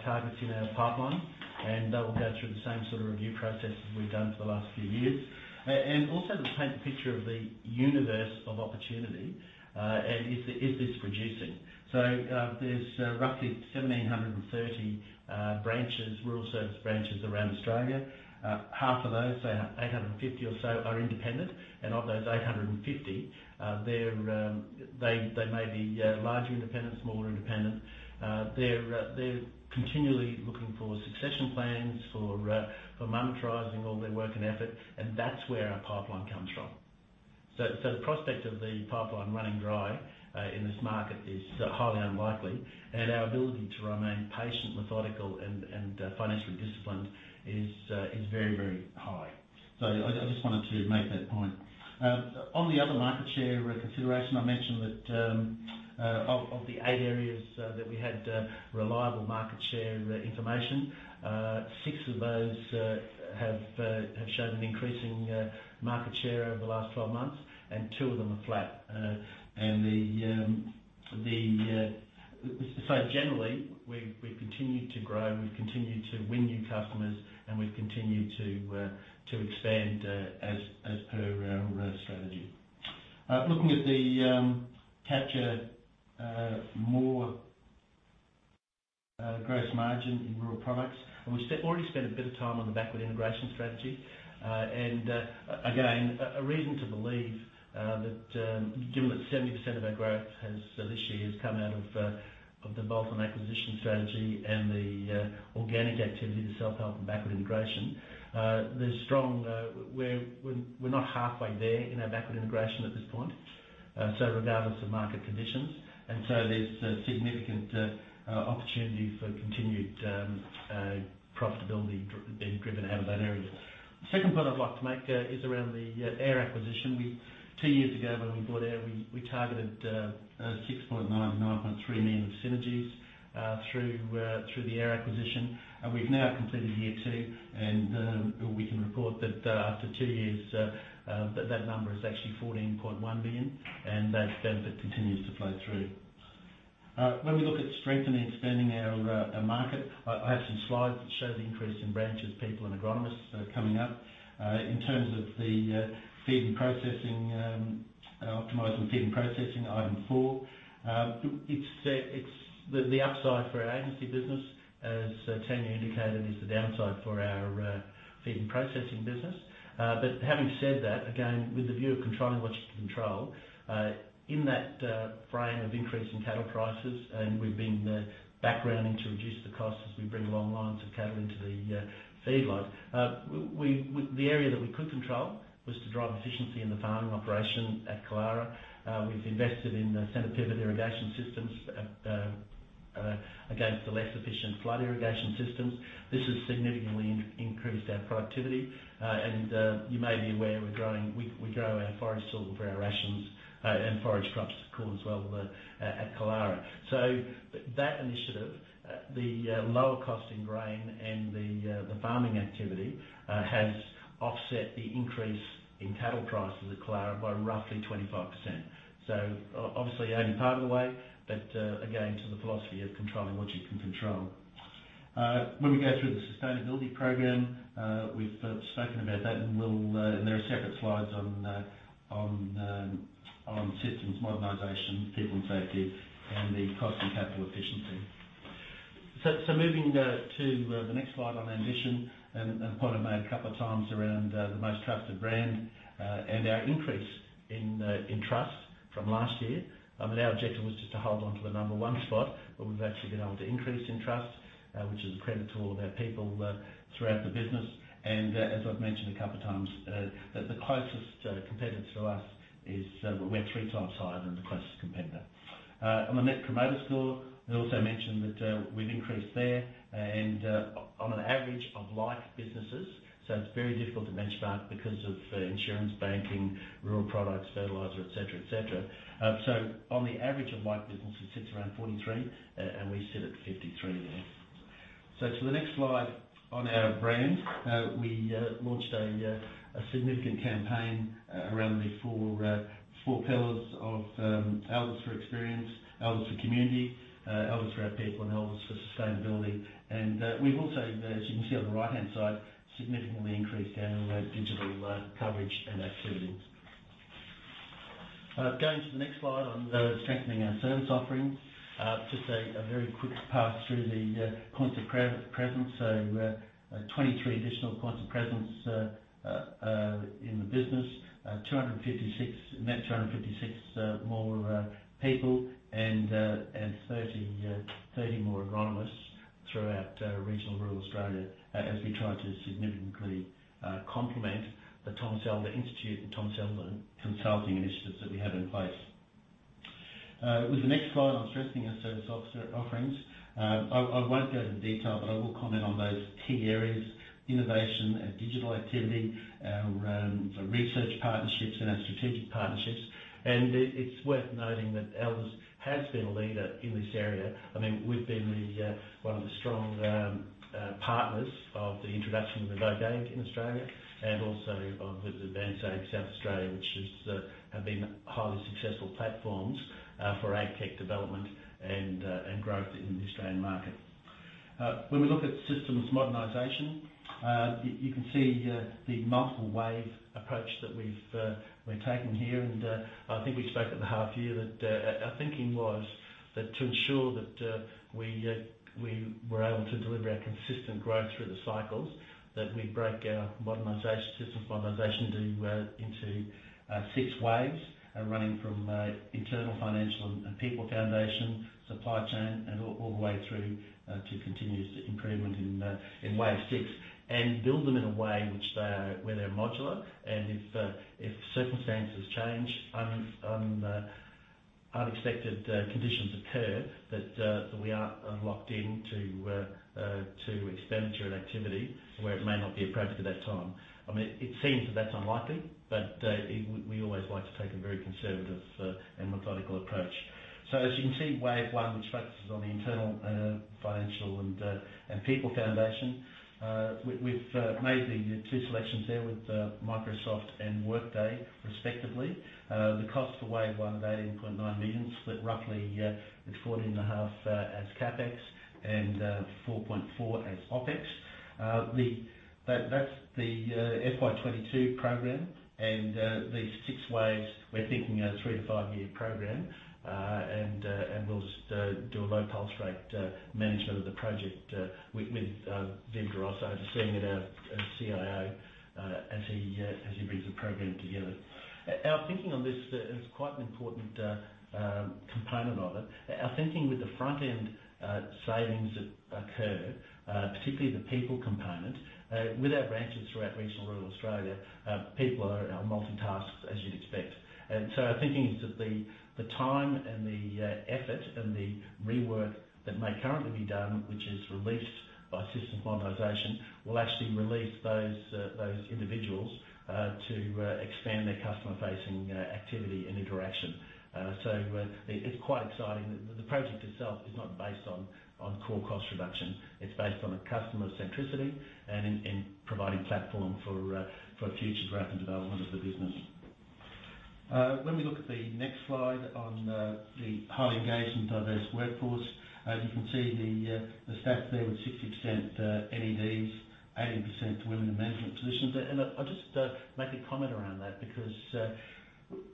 targets in our pipeline, and they will go through the same sort of review process as we've done for the last few years. And also to paint a picture of the universe of opportunity, and is this reducing? There's roughly 1,730 branches, rural service branches around Australia. Half of those, so 850 or so, are independent. Of those 850, they may be larger independents, smaller independents. They're continually looking for succession plans or for monetizing all their work and effort, and that's where our pipeline comes from. The prospect of the pipeline running dry in this market is highly unlikely and our ability to remain patient, methodical and financially disciplined is very, very high. I just wanted to make that point. On the other market share consideration, I mentioned that of the eight areas that we had reliable market share information, six of those have shown an increasing market share over the last 12 months, and two of them are flat. Generally we've continued to grow and we've continued to win new customers and we've continued to expand as per our strategy. Looking at the capture more gross margin in rural products, and we already spent a bit of time on the backward integration strategy. Again, a reason to believe that given that 70% of our growth this year has come out of the bolt-on acquisition strategy and the organic activity, the self-help and backward integration, there's strong. We're not halfway there in our backward integration at this point, so regardless of market conditions, there's significant opportunity for continued profitability being driven out of that area. The second point I'd like to make is around the AIRR acquisition. Two years ago when we bought AIRR, we targeted 6.9 million-9.3 million synergies through the AIRR acquisition. We've now completed year two, and we can report that number is actually 14.1 million, and that benefit continues to flow through. When we look at strengthening and expanding our market, I have some slides that show the increase in branches, people and agronomists coming up. In terms of the feed and processing, optimizing feed and processing, item four, it's the upside for our agency business, as Tania indicated, is the downside for our feed and processing business. Having said that, again, with the view of controlling what you can control, in that frame of increasing cattle prices, we've been backgrounding to reduce the cost as we bring longer lines of cattle into the feedlots. The area that we could control was to drive efficiency in the farming operation at Killara. We've invested in the center pivot irrigation systems against the less efficient flood irrigation systems. This has significantly increased our productivity. You may be aware we grow our forage silage for our rations, and forage crops, corn as well at Killara. That initiative, the lower cost in grain and the farming activity, has offset the increase in cattle prices at Killara by roughly 25%. Obviously only part of the way, but, again, to the philosophy of controlling what you can control. When we go through the sustainability program, we've spoken about that and we'll, and there are separate slides on systems modernization, people safety, and the cost and capital efficiency. Moving to the next slide on ambition and the point I made a couple of times around the most trusted brand and our increase in trust from last year. I mean, our objective was just to hold on to the number one spot, but we've actually been able to increase in trust, which is a credit to all of our people throughout the business. As I've mentioned a couple of times, that the closest competitor to us is, we're 3x higher than the closest competitor. On the Net Promoter Score, I also mentioned that, we've increased there and, on an average of like businesses. It's very difficult to benchmark because of, insurance, banking, rural products, fertilizer, et cetera, et cetera. On the average of like business, it sits around 43 and we sit at 53 there. To the next slide on our brand. We launched a significant campaign around the four pillars of Elders for experience, Elders for community, Elders for our people, and Elders for sustainability. We've also, as you can see on the right-hand side, significantly increased our digital coverage and activity. Going to the next slide on strengthening our service offerings. Just a very quick pass through the points of presence. 23 additional points of presence in the business. 256, net 256 more people and 30 more agronomists throughout regional rural Australia as we try to significantly complement the Thomas Elder Institute and Thomas Elder Consulting initiatives that we have in place. With the next slide on strengthening our service offerings, I won't go into detail, but I will comment on those key areas, innovation and digital activity, our research partnerships and our strategic partnerships. It’s worth noting that Elders has been a leader in this area. I mean, we've been one of the strong partners of the introduction of Vodafone in Australia and also of AdvanceAg South Australia, which have been highly successful platforms for Ag tech development and growth in the Australian market. When we look at systems modernization, you can see the multiple wave approach that we're taking here. I think we spoke at the half year that our thinking was that to ensure that we were able to deliver consistent growth through the cycles, that we break our systems modernization into six waves, running from internal financial and people foundation, supply chain, and all the way through to continuous improvement in wave six. Build them in a way which they are, where they're modular, and if circumstances change, unexpected conditions occur that we aren't locked into expenditure and activity where it may not be appropriate at that time. I mean, it seems that that's unlikely, but we always like to take a very conservative and methodical approach. As you can see, wave one, which focuses on the internal financial and people foundation, we've made the two selections there with Microsoft and Workday respectively. The cost for wave one, 18.9 million, split roughly 14.5 million as CapEx and 4.4 million as OpEx. That's the FY 2022 program. These six waves, we're thinking a three- to five-year program. We'll just do a low pulse rate management of the project with Vivian Da Ros as our CIO as he brings the program together. Our thinking on this is quite an important component of it with the front-end savings that occur, particularly the people component. With our branches throughout regional rural Australia, people are multitasked as you'd expect. Our thinking is that the time and the effort and the rework that may currently be done, which is released by systems modernization, will actually release those individuals to expand their customer-facing activity and interaction. It's quite exciting. The project itself is not based on core cost reduction. It's based on a customer centricity and in providing platform for future growth and development of the business. When we look at the next slide on the highly engaged and diverse workforce, as you can see the stats there with 60% NEDs, 80% women in management positions. I'll just make a comment around that because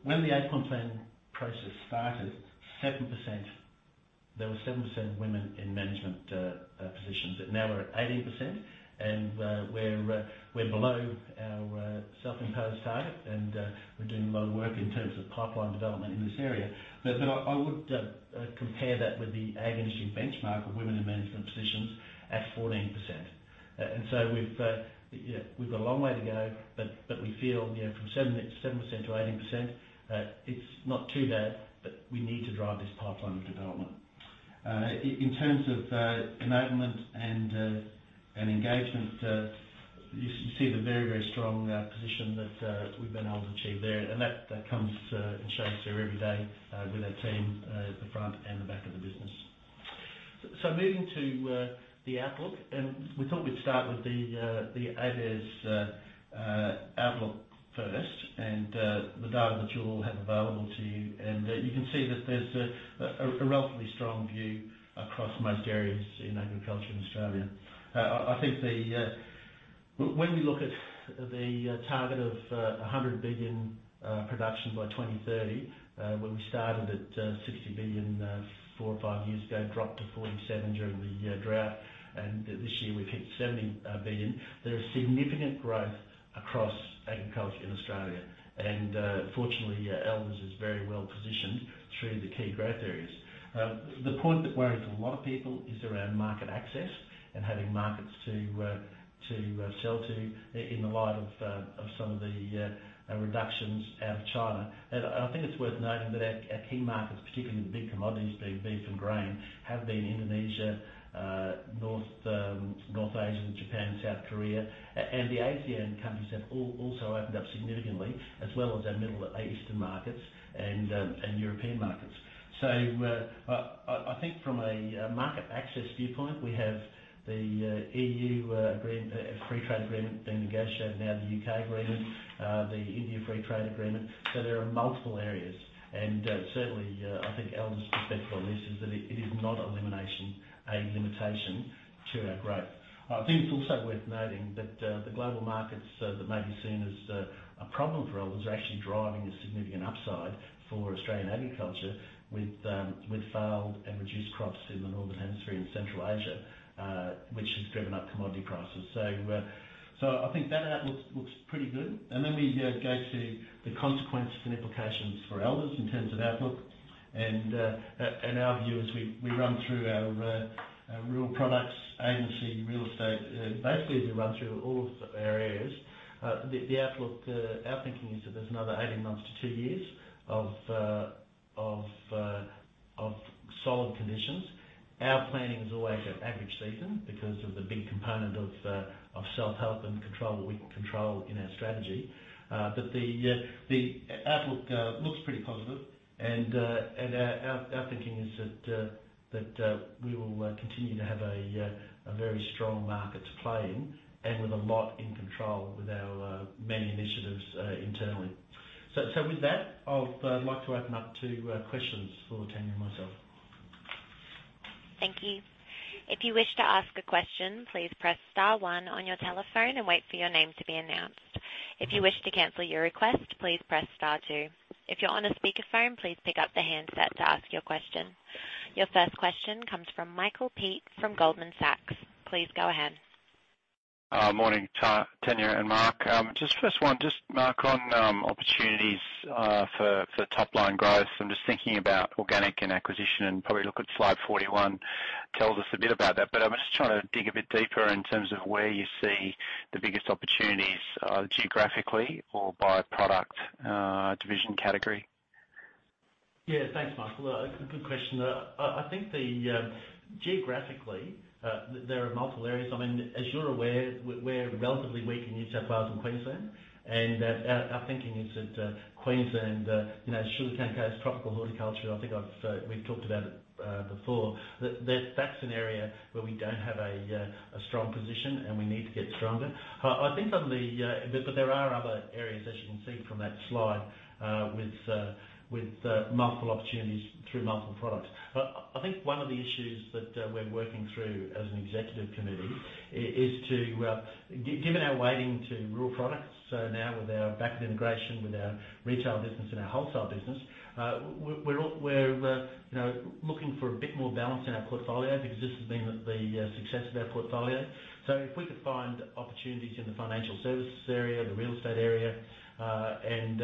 when the Eight Point Plan process started, there was 7% of women in management positions, but now we're at 80% and we're below our self-imposed target and we're doing a lot of work in terms of pipeline development in this area. I would compare that with the Ag industry benchmark of women in management positions at 14%. We've got a long way to go, but we feel, you know, from 7%-18%, it's not too bad, but we need to drive this pipeline of development. In terms of enablement and engagement, you see the very strong position that we've been able to achieve there, and that comes and shows through every day with our team at the front and the back of the business. Moving to the outlook, we thought we'd start with the ABARES outlook first and the data that you all have available to you. You can see that there's a relatively strong view across most areas in agriculture in Australia. I think when we look at the target of 100 billion production by 2030, when we started at 60 billion four or five years ago, dropped to 47 during the drought, and this year we've hit 70 billion. There is significant growth across agriculture in Australia, and fortunately Elders is very well positioned through the key growth areas. The point that worries a lot of people is around market access and having markets to sell to in the light of some of the reductions out of China. I think it's worth noting that our key markets, particularly the big commodities being beef and grain, have been Indonesia, North Asia, Japan, South Korea. The ASEAN countries have also opened up significantly, as well as our Middle Eastern markets and European markets. I think from a market access viewpoint, we have the EU free trade agreement being negotiated now, the UK agreement, the India Free Trade Agreement. There are multiple areas, and certainly, I think Elders' perspective on this is that it is not a limitation to our growth. I think it's also worth noting that the global markets that may be seen as a problem for Elders are actually driving a significant upside for Australian agriculture with failed and reduced crops in the northern hemisphere in Central Asia, which has driven up commodity prices. I think that outlook looks pretty good. We go to the consequences and implications for Elders in terms of outlook and our view as we run through our rural products, agency, real estate. Basically, as we run through all of the areas, the outlook, our thinking is that there's another 18 months to two years of solid conditions. Our planning is always at average season because of the big component of self-help and control, what we can control in our strategy. The outlook looks pretty positive and our thinking is that we will continue to have a very strong market to play in and with a lot in control with our many initiatives internally. With that, I'd like to open up to questions for Tania and myself. Thank you. If you wish to ask a question please press star one on your telephone and wait for your name to be announced. If you wish to cancel your request, please press star two. If you are on speakerphone please raise your hand to ask a question. Your first question comes from Michael Peet from Goldman Sachs. Please go ahead. Morning, Tania and Mark. Just first one, just Mark on opportunities for top-line growth. I'm just thinking about organic and acquisition and probably look at slide 41, tells us a bit about that. But I'm just trying to dig a bit deeper in terms of where you see the biggest opportunities, geographically or by product, division category. Yeah. Thanks, Michael. A good question. I think geographically, there are multiple areas. I mean, as you're aware, we're relatively weak in New South Wales and Queensland, and our thinking is that, Queensland, you know, sugarcane, tropical horticulture, I think we've talked about it before. That's an area where we don't have a strong position, and we need to get stronger. I think but there are other areas, as you can see from that slide, with multiple opportunities through multiple products. I think one of the issues that we're working through as an Executive Committee given our weighting to rural products, now with our backward integration with our retail business and our wholesale business, we're you know looking for a bit more balance in our portfolio because this has been the success of our portfolio. If we could find opportunities in the financial services area, the real estate area, and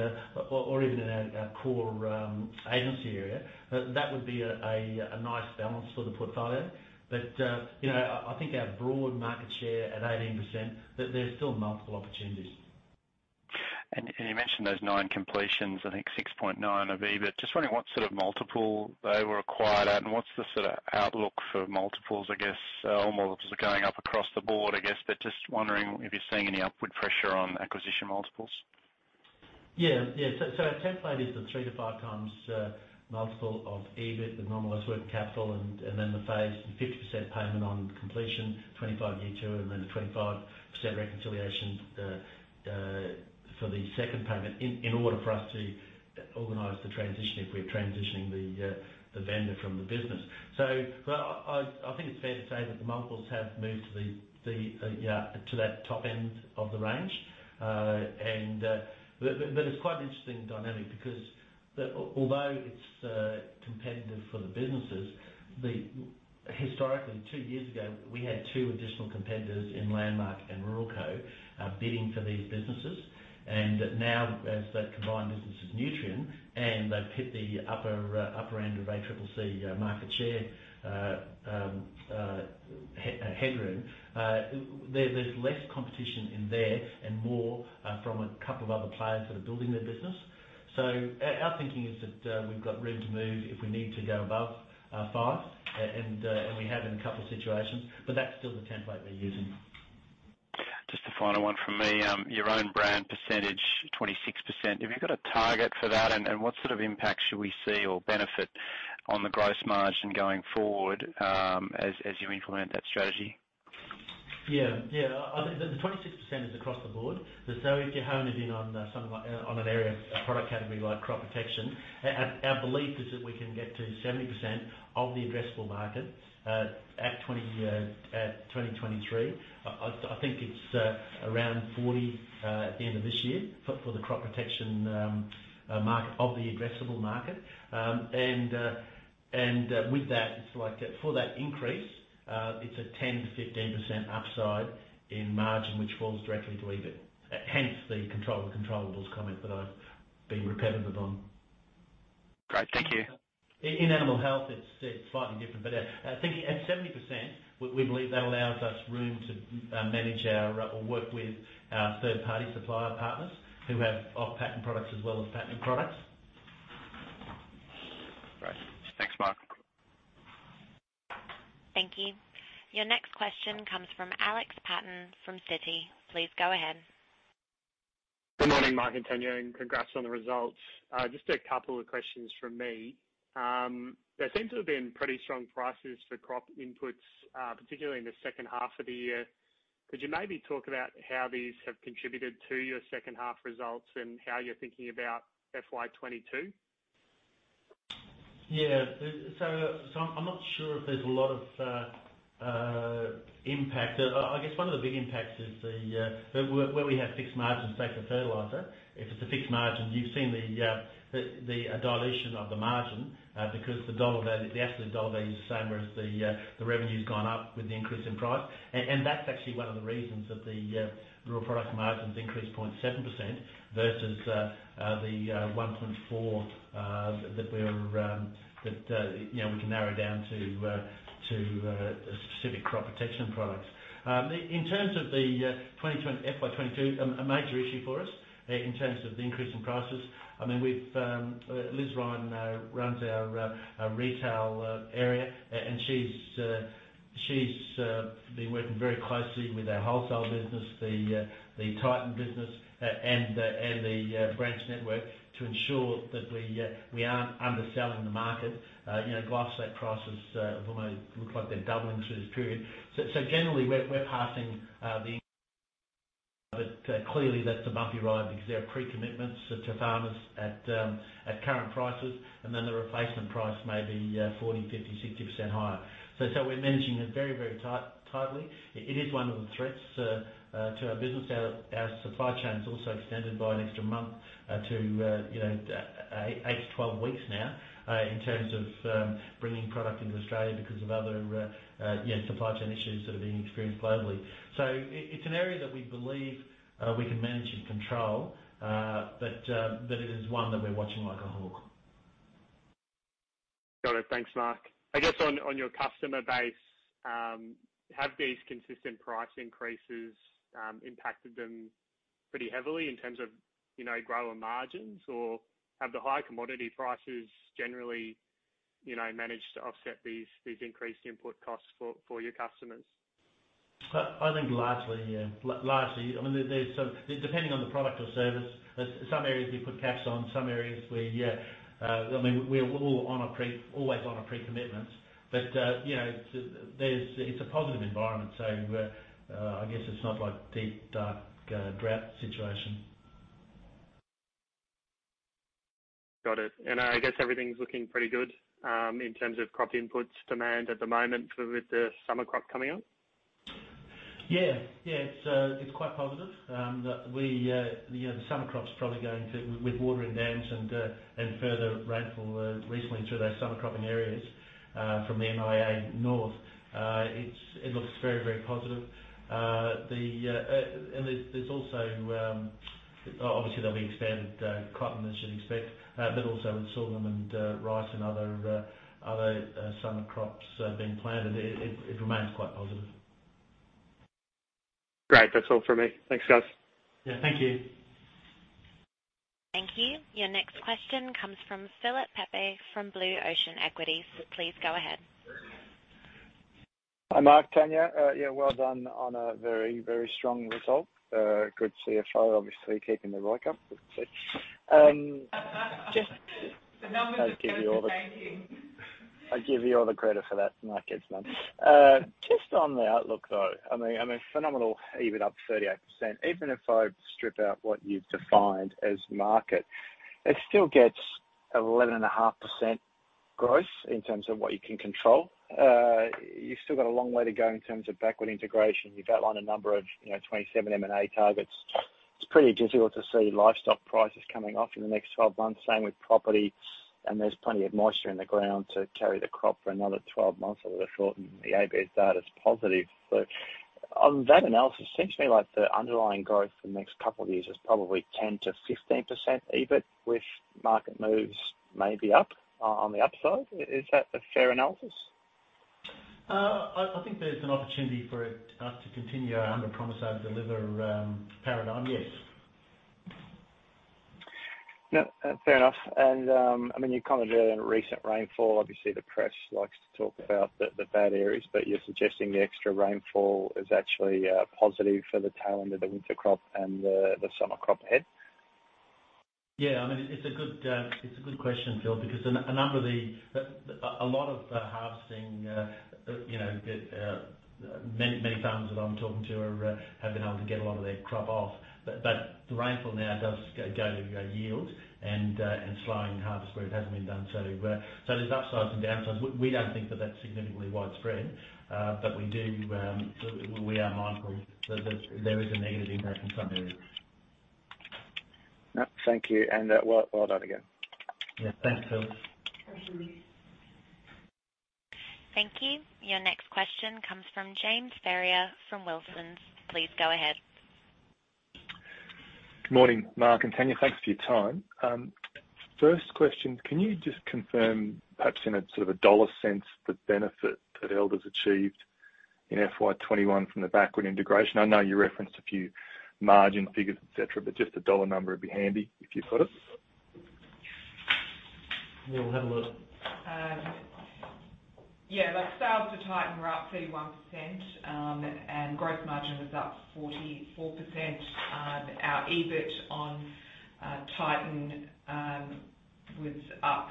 or even in our core agency area, that would be a nice balance for the portfolio. You know, I think our broad market share at 18%, there are still multiple opportunities. You mentioned those nine completions, I think 6.9 of EBIT. Just wondering what sort of multiple they were acquired at and what's the sorta outlook for multiples, I guess? Or multiples are going up across the board, I guess. Just wondering if you're seeing any upward pressure on acquisition multiples. Our template is the 3-5x multiple of EBIT with normalized working capital and then the phased 50% payment on completion, 25% year two, and then the 25% reconciliation for the second payment in order for us to organize the transition if we're transitioning the vendor from the business. I think it's fair to say that the multiples have moved to the top end of the range. But it's quite an interesting dynamic because although it's competitive for the businesses, historically, two years ago, we had two additional competitors in Landmark and Ruralco bidding for these businesses. Now as they've combined business with Nutrien, they've hit the upper end of ACCC market share headroom, there's less competition in there and more from a couple of other players that are building their business. Our thinking is that we've got room to move if we need to go above 5%. We have in a couple situations, but that's still the template we're using. Just a final one from me. Your own brand percentage, 26%. Have you got a target for that, and what sort of impact should we see or benefit on the gross margin going forward, as you implement that strategy? I think that the 26% is across the board. If you honed it in on something like, on an area, a product category like crop protection, our belief is that we can get to 70% of the addressable market at 2023. I think it's around 40% at the end of this year for the crop protection market of the addressable market. And with that, it's like for that increase, it's a 10%-15% upside in margin, which falls directly to EBIT. Hence, the control of controllables comment that I've been repetitive on. Great. Thank you. In Animal Health, it's slightly different. Thinking at 70%, we believe that allows us room to manage, or work with our third-party supplier partners who have off-patent products as well as patented products. Great. Thanks, Mark. Thank you. Your next question comes from Alex Paton from Citi. Please go ahead. Good morning, Mark and Tania, and congrats on the results. Just a couple of questions from me. There seems to have been pretty strong prices for crop inputs, particularly in the second half of the year. Could you maybe talk about how these have contributed to your second half results and how you're thinking about FY 2022? Yeah. I'm not sure if there's a lot of impact. I guess one of the big impacts is where we have fixed margins, say for Fertilizer. If it's a fixed margin, you've seen the dilution of the margin because the dollar value, the absolute dollar value is the same, whereas the revenue's gone up with the increase in price. And that's actually one of the reasons that the raw product margins increased 0.7% versus the 1.4%, you know, we can narrow down to specific crop protection products. In terms of the FY 2022, a major issue for us in terms of the increase in prices, I mean, we've Liz Ryan runs our retail area, and she's been working very closely with our wholesale business, the Titan business, and the branch network to ensure that we aren't underselling the market. You know, glyphosate prices almost look like they're doubling through this period. So generally we're passing the increase, but clearly that's a bumpy ride because there are pre-commitments to farmers at current prices, and then the replacement price may be 40%, 50%, 60% higher. So we're managing it very tightly. It is one of the threats to our business. Our supply chain's also extended by an extra month to 8-12 weeks now, in terms of bringing product into Australia because of other supply chain issues that are being experienced globally. It's an area that we believe we can manage and control, but it is one that we're watching like a hawk. Got it. Thanks, Mark. I guess on your customer base, have these consistent price increases impacted them pretty heavily in terms of, you know, grower margins? Or have the higher commodity prices generally, you know, managed to offset these increased input costs for your customers? I think largely, yeah. I mean, there's so depending on the product or service, some areas we put caps on, some areas we I mean, we're always on a pre-commitment. You know, there's. It's a positive environment. I guess it's not like deep, dark drought situation. Got it. I guess everything's looking pretty good, in terms of crop inputs demand at the moment with the summer crop coming up? Yeah. It's quite positive. We, you know, the summer crop's probably going to, with water in dams and further rainfall recently through those summer cropping areas from the MIA north, it looks very, very positive. There's also obviously there'll be expanded cotton as you'd expect, but also with sorghum and rice and other summer crops being planted. It remains quite positive. Great. That's all for me. Thanks, guys. Yeah, thank you. Thank you. Your next question comes from Philip Pepe from Blue Ocean Equities. Please go ahead. Hi, Mark, Tania. Yeah, well done on a very, very strong result. Good CFO, obviously keeping the ROIC up, let's see. The numbers are perfect. Thank you. I give you all the credit for that, Mark. It's none. Just on the outlook, though, I mean, phenomenal, EBIT up 38%. Even if I strip out what you've defined as market, it still gets 11.5% growth in terms of what you can control. You've still got a long way to go in terms of backward integration. You've outlined a number of, you know, 27 M&A targets. It's pretty difficult to see livestock prices coming off in the next 12 months, same with property, and there's plenty of moisture in the ground to carry the crop for another 12 months that would shorten the ABARES data's positive. On that analysis, it seems to me like the underlying growth for the next couple of years is probably 10%-15% EBIT, with market moves maybe up, on the upside. Is that a fair analysis? I think there's an opportunity for us to continue our under promise, over deliver paradigm, yes. No, fair enough. I mean, you commented on recent rainfall. Obviously, the press likes to talk about the bad areas, but you're suggesting the extra rainfall is actually positive for the tail end of the winter crop and the summer crop ahead. Yeah, I mean, it's a good question, Phil, because a number of the a lot of harvesting you know many farmers that I'm talking to are have been able to get a lot of their crop off. The rainfall now does go to yield and slowing harvest where it hasn't been done. There's upsides and downsides. We don't think that that's significantly widespread but we do we are mindful that there is a negative impact in some areas. No, thank you. Well done again. Yeah, thanks, Phil. Thank you. Your next question comes from James Ferrier from Wilsons. Please go ahead. Good morning, Mark and Tania. Thanks for your time. First question, can you just confirm, perhaps in a sort of a dollar sense, the benefit that Elders achieved in FY 2021 from the backward integration? I know you referenced a few margin figures, et cetera, but just a dollar number would be handy if you've got it. Yeah, we'll have a look. Yeah, like sales to Titan were up 31%, and growth margin was up 44%. Our EBIT on Titan was up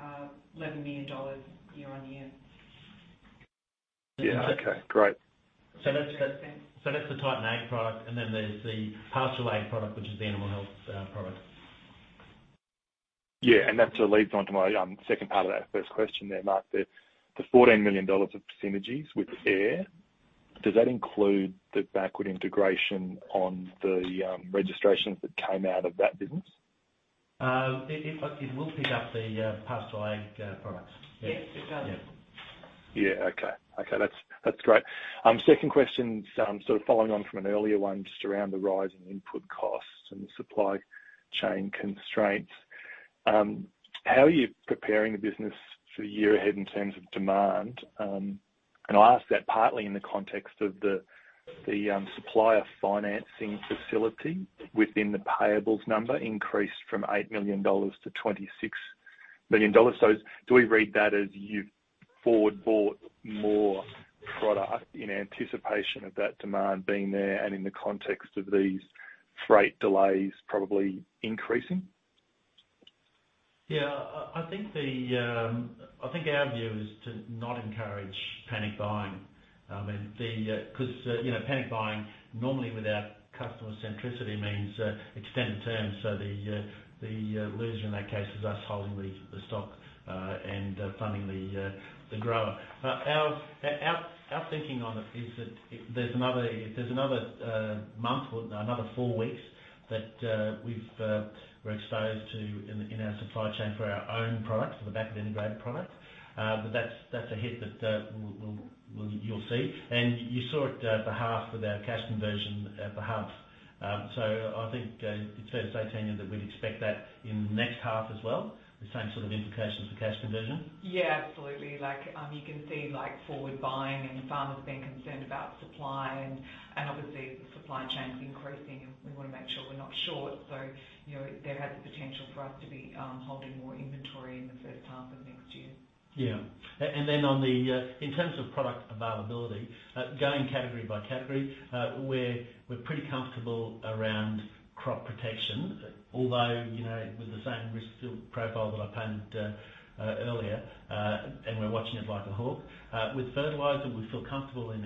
AUD 11 million year-on-year. Yeah, okay. Great. That's the Titan Ag product, and then there's the Pastoral Ag product, which is the Animal Health product. Yeah, that sort of leads on to my second part of that first question there, Mark. The 14 million dollars of synergies with AIRR, does that include the backward integration on the registrations that came out of that business? It will pick up the Pastoral Ag products. Yes, it does. Yeah. Yeah, okay. That's great. Second question's sort of following on from an earlier one, just around the rise in input costs and supply chain constraints. How are you preparing the business for the year ahead in terms of demand? I ask that partly in the context of the supplier financing facility within the payables number increased from 8 million-26 million dollars. Do we read that as you've forward bought more product in anticipation of that demand being there and in the context of these freight delays probably increasing? I think our view is to not encourage panic buying. I mean, because you know, panic buying normally with our customer centricity means extended terms. The loser in that case is us holding the stock and funding the grower. Our thinking on it is that there's another month, well no, another four weeks that we're exposed to in our supply chain for our own products, for the backward integrated products. That's a hit that we'll you'll see. You saw it for half with our cash conversion for half. I think it's fair to say, Tania, that we'd expect that in the next half as well, the same sort of implications for cash conversion. Yeah, absolutely. Like, you can see like forward buying and farmers being concerned about supply and obviously the supply chain's increasing and we wanna make sure we're not short. So, you know, there has the potential for us to be holding more inventory in the first half of next year. Then on the in terms of product availability, going category by category, we're pretty comfortable around crop protection, although you know with the same risk profile that I painted earlier, and we're watching it like a hawk. With Fertilizer, we feel comfortable in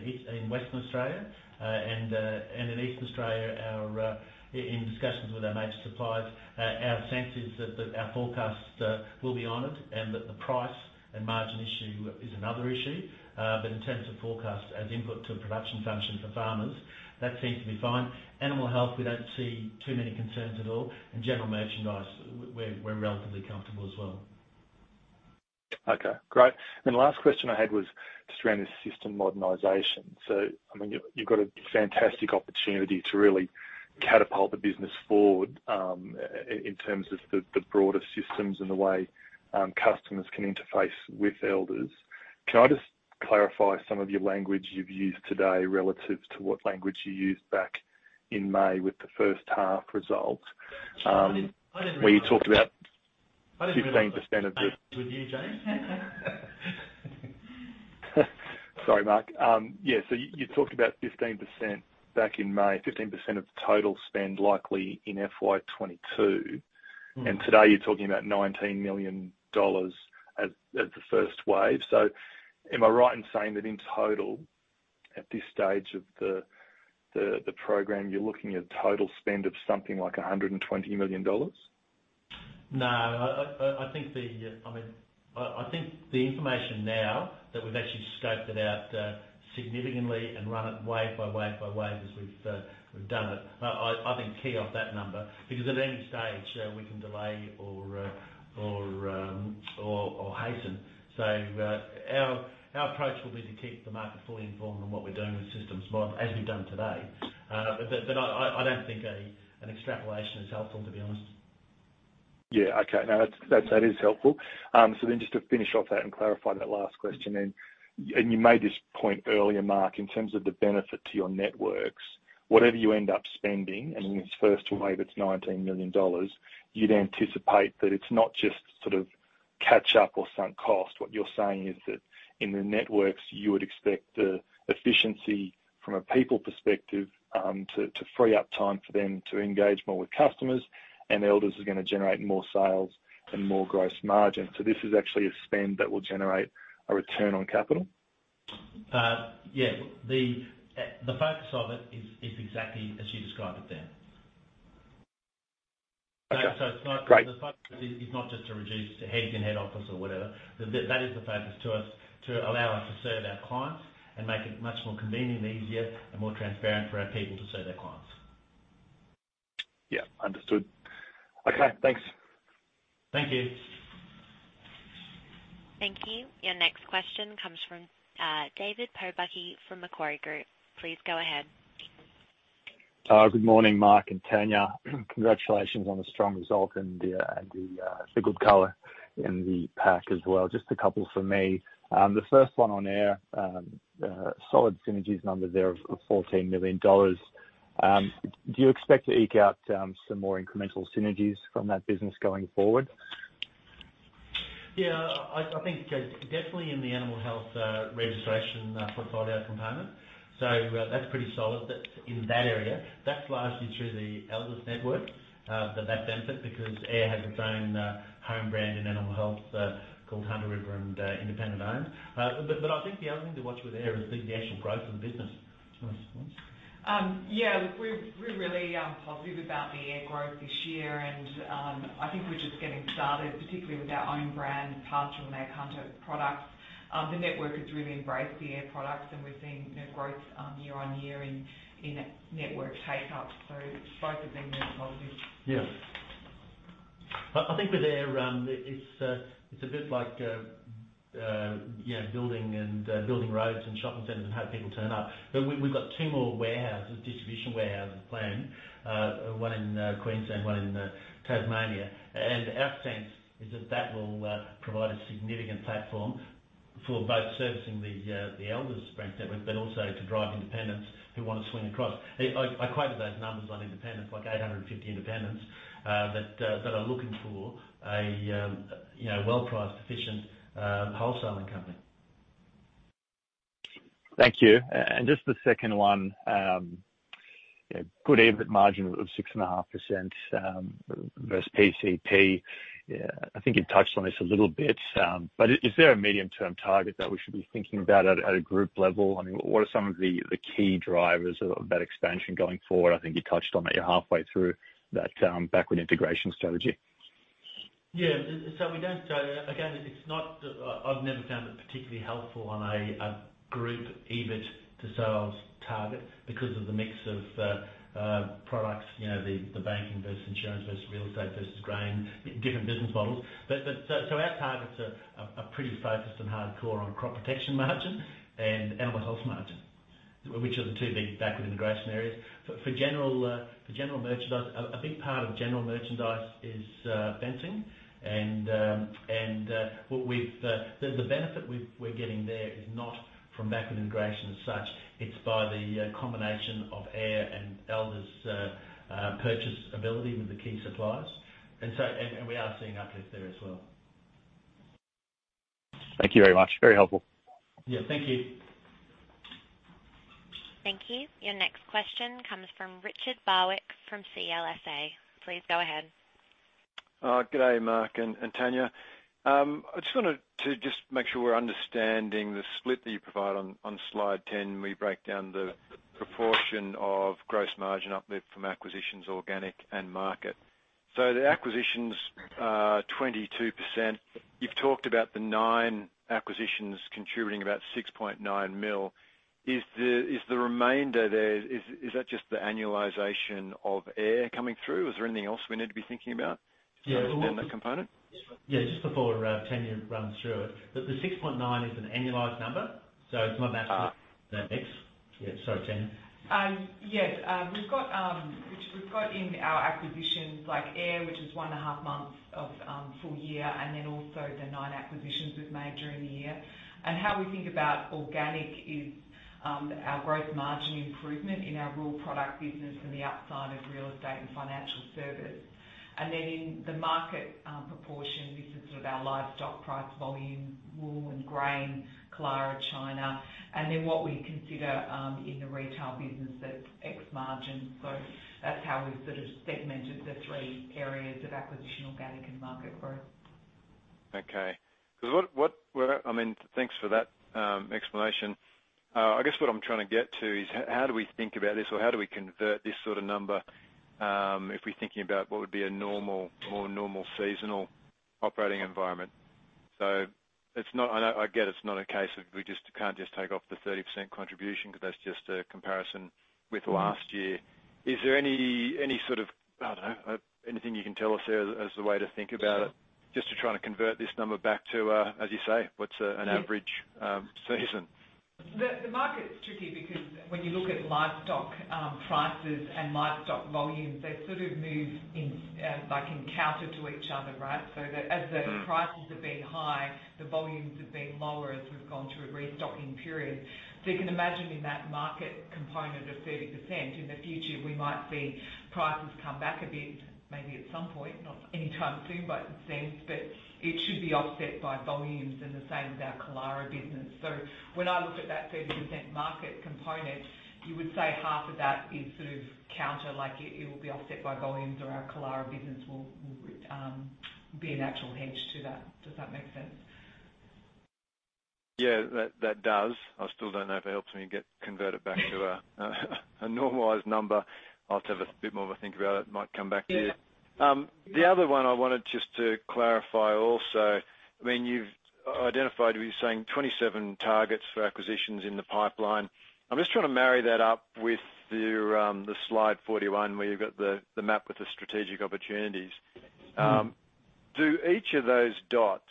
Western Australia and in Eastern Australia. In discussions with our major suppliers, our sense is that our forecast will be honored and that the price and margin issue is another issue. In terms of forecast as input to production function for farmers, that seems to be fine. Animal Health, we don't see too many concerns at all. General merchandise, we're relatively comfortable as well. Okay, great. The last question I had was just around the system modernization. I mean, you've got a fantastic opportunity to really catapult the business forward, in terms of the broader systems and the way customers can interface with Elders. Can I just clarify some of your language you've used today relative to what language you used back in May with the first half results. I didn't realize. Where you talked about 15% of the I didn't realize I was with you, James. Sorry, Mark. Yeah. You talked about 15% back in May, 15% of the total spend likely in FY 2022. Mm-hmm. Today, you're talking about 19 million dollars as the first wave. Am I right in saying that in total, at this stage of the program, you're looking at total spend of something like 120 million dollars? No. I think the information now that we've actually scoped it out significantly and run it wave by wave as we've done it. I think key off that number, because at any stage we can delay or hasten. Our approach will be to keep the market fully informed on what we're doing with systems model as we've done today. I don't think an extrapolation is helpful, to be honest. Yeah, okay. No, that's helpful. Just to finish off that and clarify that last question then. You made this point earlier, Mark, in terms of the benefit to your networks, whatever you end up spending, and in this first wave, it's 19 million dollars, you'd anticipate that it's not just sort of catch up or sunk cost. What you're saying is that in the networks, you would expect the efficiency from a people perspective, to free up time for them to engage more with customers, and Elders is gonna generate more sales and more gross margin. This is actually a spend that will generate a return on capital. Yeah. The focus of it is exactly as you describe it there. Okay. So it's not- Great. The focus is not just to reduce the heads in head office or whatever. That is the focus to us to allow us to serve our clients and make it much more convenient and easier and more transparent for our people to serve their clients. Yeah. Understood. Okay, thanks. Thank you. Thank you. Your next question comes from, David Pobucky from Macquarie Group. Please go ahead. Good morning, Mark and Tania. Congratulations on the strong result and the good color in the pack as well. Just a couple from me. The first one on AIRR. Solid synergies numbers there of 14 million dollars. Do you expect to eke out some more incremental synergies from that business going forward? I think definitely in the Animal Health registration portfolio component. That's pretty solid in that area. That's largely through the Elders network that benefit, because AIRR has its own home brand in Animal Health called Hunter River and independently owned. But I think the other thing to watch with AIRR is the actual growth in the business. Do you wanna- Yeah, look, we're really positive about the Ag growth this year, and I think we're just getting started, particularly with our own brand, Pastoral and our Hunter products. The network has really embraced the Ag products, and we're seeing growth year-on-year in network uptake. Both have been really positive. Yeah. I think with AIRR, it's a bit like you know building roads and shopping centers and hope people turn up. But we've got two more warehouses, distribution warehouses planned, one in Queensland, one in Tasmania. Our sense is that will provide a significant platform for both servicing the Elders brand network, but also to drive independents who wanna swing across. I quoted those numbers on independents, like 850 independents that are looking for a you know well-priced, efficient wholesaling company. Thank you. Just the second one, a good EBIT margin of 6.5% versus PCP. I think you've touched on this a little bit, but is there a medium-term target that we should be thinking about at a group level? I mean, what are some of the key drivers of that expansion going forward? I think you touched on that you're halfway through that backward integration strategy. Again, it's not. I've never found it particularly helpful on a group EBIT to sell off target because of the mix of products, you know, the banking versus insurance versus real estate versus grain, different business models. Our targets are pretty focused and hardcore on Crop Protection margin and Animal Health margin, which are the two big backward integration areas. For general merchandise, a big part of general merchandise is fencing and the benefit we're getting there is not from backward integration as such. It's by the combination of AIRR and Elders' purchasing power with the key suppliers. We are seeing uplift there as well. Thank you very much. Very helpful. Yeah. Thank you. Thank you. Your next question comes from Richard Barwick from CLSA. Please go ahead. Good day, Mark and Tania. I just wanted to make sure we're understanding the split that you provide on slide 10, we break down the proportion of gross margin uplift from acquisitions, organic and market. The acquisitions are 22%. You've talked about the nine acquisitions contributing about 6.9 million. Is the remainder there just the annualization of AIRR coming through? Is there anything else we need to be thinking about to understand that component? Yeah, just before Tania runs through it. The 6.9 is an annualized number, so it's not matched with that mix. Yeah. Sorry, Tania. Yes. We've got in our acquisitions like AIRR, which is 1.5 months of full year, and then also the nine acquisitions we've made during the year. How we think about organic is our growth margin improvement in our crop product business and the upside of real estate and financial services. In the market proportion, this is sort of our livestock price, volume, wool and grain, Killara, China. What we consider in the retail business, that's gross margin. That's how we've sort of segmented the three areas of acquisition, organic and market growth. What I mean, thanks for that explanation. I guess what I'm trying to get to is how do we think about this? Or how do we convert this sort of number if we're thinking about what would be a normal, more normal seasonal operating environment? It's not a case of we just can't take off the 30% contribution because that's just a comparison with last year. Is there any sort of, I don't know, anything you can tell us there as the way to think about it? Just to try to convert this number back to, as you say, what's a- Yes. an average season. The market's tricky because when you look at livestock prices and livestock volumes, they sort of move in, like, counter to each other, right? Mm. As the prices have been high, the volumes have been lower as we've gone through a restocking period. You can imagine in that market component of 30%, in the future, we might see prices come back a bit, maybe at some point, not anytime soon, I sense, but it should be offset by volumes and the same with our Killara business. When I look at that 30% market component, you would say half of that is sort of counter. Like it will be offset by volumes or our Killara business will be a natural hedge to that. Does that make sense? Yeah, that does. I still don't know if it helps me get converted back to a normalized number. I'll have to have a bit more of a think about it. Might come back to you. Yeah. The other one I wanted just to clarify also, I mean, you've identified, you're saying 27 targets for acquisitions in the pipeline. I'm just trying to marry that up with your, the slide 41, where you've got the map with the strategic opportunities. Do each of those dots,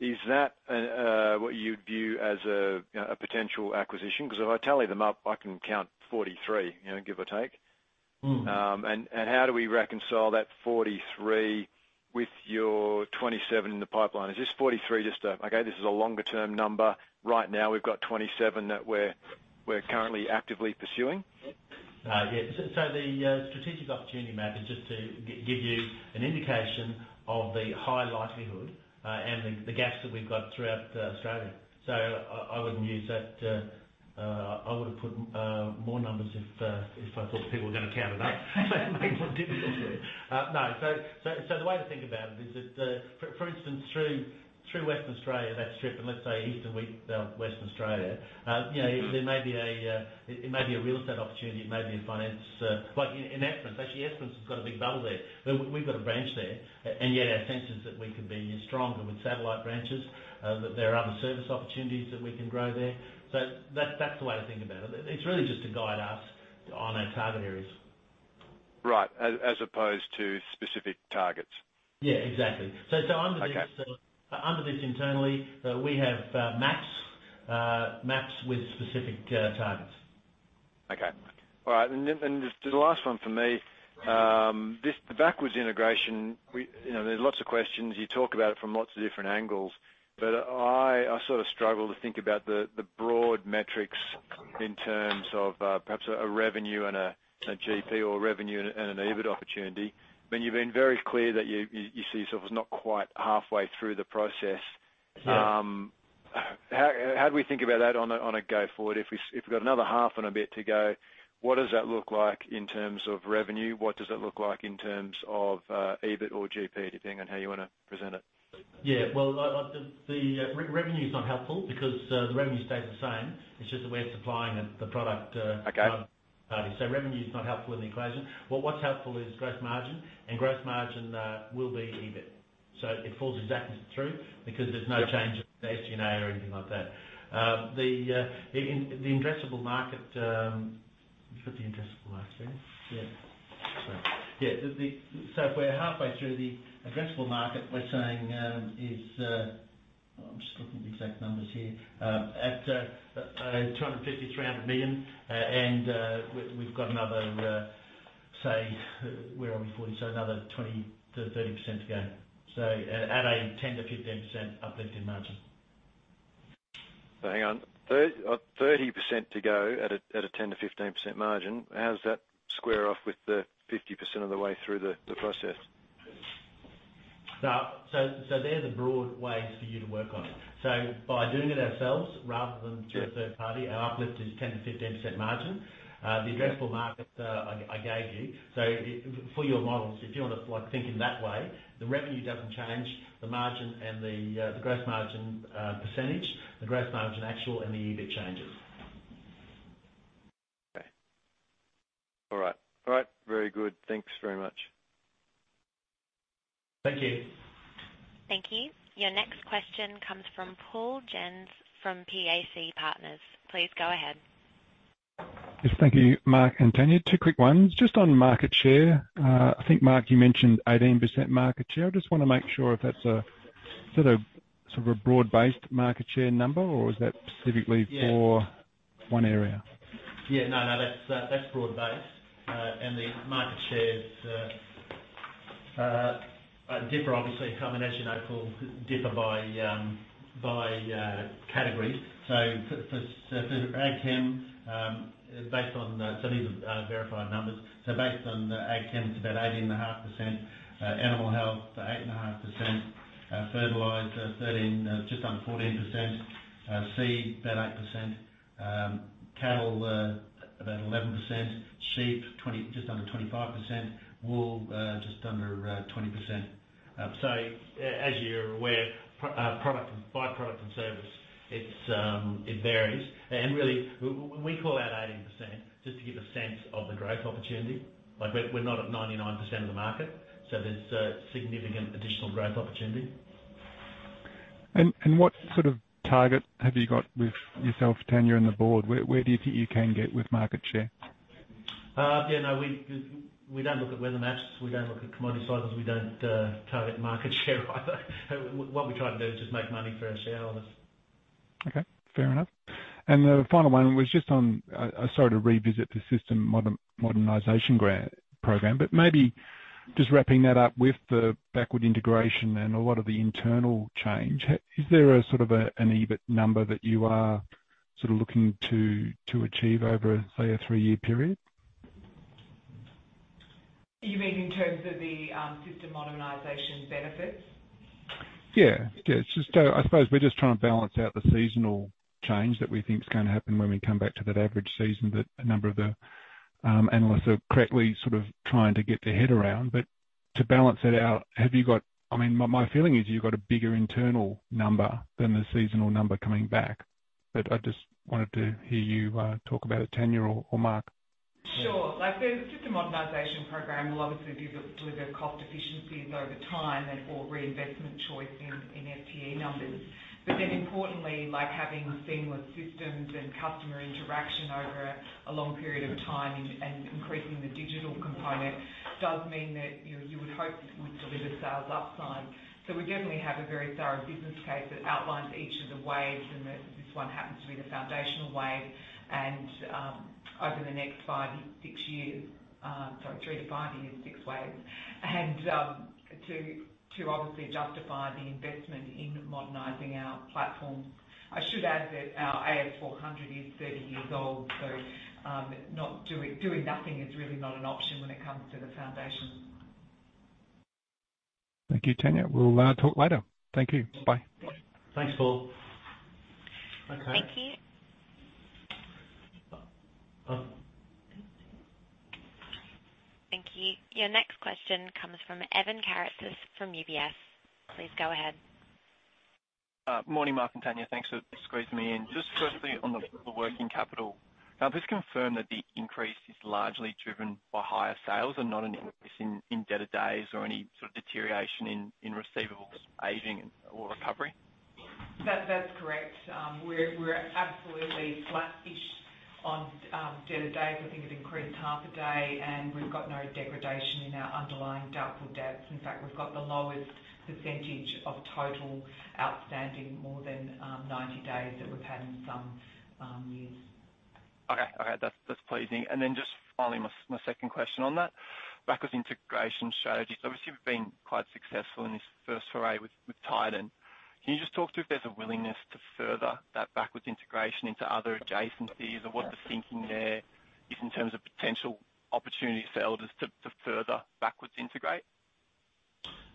is that what you'd view as a potential acquisition? Because if I tally them up, I can count 43, you know, give or take. And how do we reconcile that 43 with your 27 in the pipeline? Is this 43 just a, "Okay, this is a longer term number. Right now we've got 27 that we're currently actively pursuing"? The strategic opportunity map is just to give you an indication of the high likelihood and the gaps that we've got throughout Australia. I wouldn't use that. I would have put more numbers if I thought people were gonna count it up. It makes it difficult there. No. The way to think about it is that, for instance, through Western Australia, that strip, and let's say eastern Western Australia, you know, there may be a, it may be a real estate opportunity, it may be a finance. Like in Esperance, actually, Esperance has got a big bubble there. We've got a branch there. Yet our sense is that we could be stronger with satellite branches, that there are other service opportunities that we can grow there. That, that's the way to think about it. It's really just to guide us on our target areas. Right. As opposed to specific targets. Yeah, exactly. Okay. Under this internally we have maps with specific targets. Okay. All right. Then, just the last one from me. This, the backward integration, you know, there's lots of questions. You talk about it from lots of different angles, but I sort of struggle to think about the broad metrics in terms of, perhaps a revenue and a GP or revenue and an EBIT opportunity. I mean, you've been very clear that you see yourself as not quite halfway through the process. Yeah. How do we think about that on a go forward? If we've got another half and a bit to go, what does that look like in terms of revenue? What does it look like in terms of EBIT or GP, depending on how you wanna present it? Yeah. Well, the revenue is not helpful because the revenue stays the same. It's just that we're supplying the product. Okay. -to another party. Revenue is not helpful in the equation. What's helpful is gross margin, and gross margin will be EBIT. It falls exactly through because there's no change of SG&A or anything like that. The addressable market. Have we put the addressable market there? Yeah. Sorry. Yeah. If we're halfway through the addressable market, we're saying. I'm just looking at the exact numbers here. At 250-300 million. We've got another, say, where are we, 40, so another 20%-30% to go. At a 10%-15% uplift in margin. Hang on, 30% to go at a 10%-15% margin. How does that square off with the 50% of the way through the process? No. They're the broad ways for you to work on it. By doing it ourselves rather than- Yeah. through a third party, our uplift is 10%-15% margin. The addressable market I gave you. For your models, if you wanna like think in that way, the revenue doesn't change, the margin and the gross margin percentage, the gross margin actual and the EBIT changes. Okay. All right. Very good. Thanks very much. Thank you. Thank you. Your next question comes from Paul Jensz from PAC Partners. Please go ahead. Yes, thank you, Mark and Tania. Two quick ones. Just on market share, I think, Mark, you mentioned 18% market share. I just wanna make sure if that's a sort of a broad based market share number or is that specifically for- Yeah. one area? No, that's broad-based. The market shares differ obviously by categories. For AgChem, based on some of these verified numbers, based on the AgChem it's about 18.5%, Animal Health 8.5%, Fertilizer 13, just under 14%, Seed about 8%, Cattle about 11%, Sheep just under 25%, Wool just under 20%. As you're aware, by product and service, it varies. Really when we call out 18% just to give a sense of the growth opportunity, like we're not at 99% of the market, so there's significant additional growth opportunity. What sort of target have you got with yourself, Tania, and the board? Where do you think you can get with market share? Yeah, no. We don't look at weather maps, we don't look at commodity cycles, we don't target market share either. What we try to do is just make money for our shareholders. Okay, fair enough. The final one was just on sorry to revisit the system modernization program, but maybe just wrapping that up with the backward integration and a lot of the internal change, is there sort of an EBIT number that you are sort of looking to achieve over say a three-year period? You mean in terms of the system modernization benefits? It's just, I suppose we're just trying to balance out the seasonal change that we think is gonna happen when we come back to that average season that a number of the analysts are correctly sort of trying to get their head around. To balance that out, have you got? I mean, my feeling is you've got a bigger internal number than the seasonal number coming back, but I just wanted to hear you talk about it, Tania or Mark. Sure. Like, the system modernization program will obviously be able to deliver cost efficiencies over time and for reinvestment choice in FTE numbers. Importantly, like having seamless systems and customer interaction over a long period of time and increasing the digital component does mean that, you know, you would hope it would deliver sales upside. We definitely have a very thorough business case that outlines each of the waves, and this one happens to be the foundational wave and over the next three to five years, six waves to obviously justify the investment in modernizing our platform. I should add that our AS400 is 30 years old, so not doing nothing is really not an option when it comes to the foundation. Thank you, Tania. We'll talk later. Thank you. Bye. Thanks, Paul. Okay. Thank you. Uh. Thank you. Your next question comes from Evan Karatzas from UBS. Please go ahead. Morning, Mark and Tania. Thanks for squeezing me in. Just quickly on the working capital. Can I please confirm that the increase is largely driven by higher sales and not an increase in debtor days or any sort of deterioration in receivables aging or recovery? That's correct. We're absolutely flat-ish on debtor days. I think it's increased half a day and we've got no degradation in our underlying doubtful debts. In fact, we've got the lowest percentage of total outstanding more than 90 days that we've had in some years. That's pleasing. Just finally, my second question on that. Backward integration strategy. Obviously you've been quite successful in this first foray with Titan. Can you just talk through if there's a willingness to further that backward integration into other adjacencies and what the thinking there is in terms of potential opportunities for Elders to further backward integrate?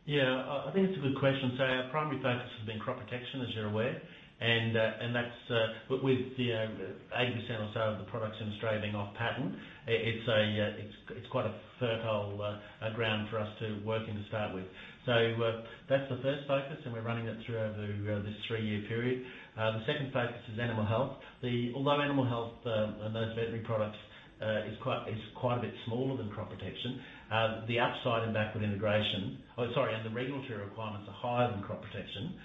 Yeah, I think it's a good question. Our primary focus has been crop protection, as you're aware, and that's with, you know, 80% or so of the products in Australia being off patent. It's quite a fertile ground for us to work in to start with. That's the first focus and we're running that through over this three-year period. The second focus is Animal Health. Although animal Health and those veterinary products is quite a bit smaller than crop protection, the upside in backward integration and the regulatory requirements are higher than crop protection.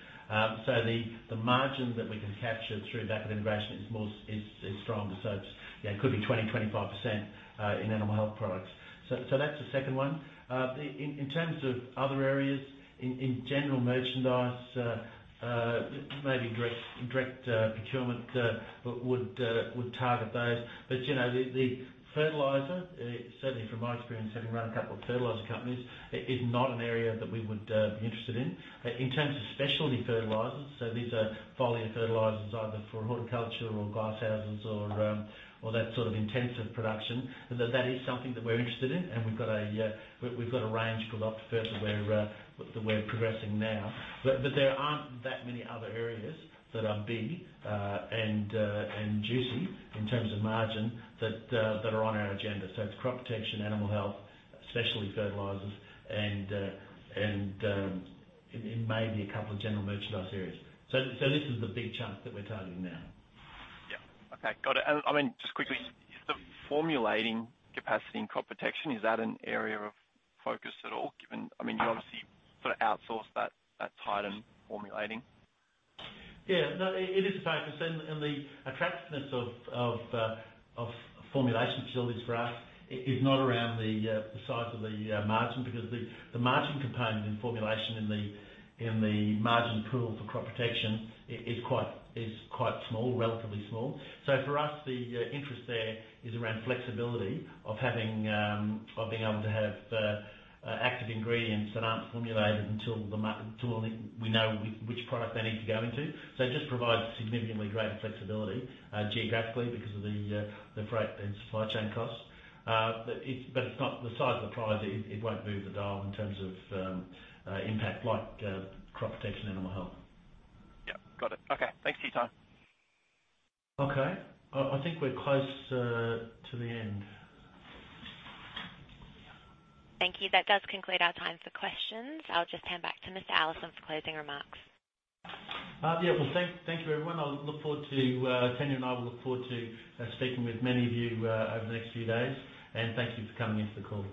So the margin that we can capture through backward integration is stronger. It's it could be 20%-25% in Animal Health products. That's the second one. In terms of other areas, in general merchandise, maybe direct procurement would target those. You know, the Fertilizer certainly from my experience having run a couple of fertilizer companies is not an area that we would be interested in. In terms of specialty fertilizers, so these are foliar fertilizers, either for horticulture or glasshouses or that sort of intensive production, that is something that we're interested in and we've got a range called OPTIFERT that we're progressing now. There aren't that many other areas that are big and juicy in terms of margin that are on our agenda. It's crop protection, Animal Health, specialty fertilizers and maybe a couple of general merchandise areas. This is the big chunk that we're targeting now. Yeah. Okay. Got it. I mean, just quickly, is the formulating capacity in crop protection an area of focus at all given I mean, you obviously sort of outsourced that Titan formulating? Yeah. No, it is a focus and the attractiveness of formulation facilities for us is not around the size of the margin because the margin component in formulation in the margin pool for crop protection is quite small, relatively small. For us, the interest there is around flexibility of being able to have active ingredients that aren't formulated until we know which product they need to go into. It just provides significantly greater flexibility geographically because of the freight and supply chain costs. It's not the size of the prize. It won't move the dial in terms of impact like crop protection, Animal Health. Yeah. Got it. Okay. Thanks for your time. Okay. I think we're close to the end. Thank you. That does conclude our time for questions. I'll just hand back to Mr. Allison for closing remarks. Yeah. Well, thank you, everyone. Tania and I will look forward to speaking with many of you over the next few days. Thank you for coming into the call.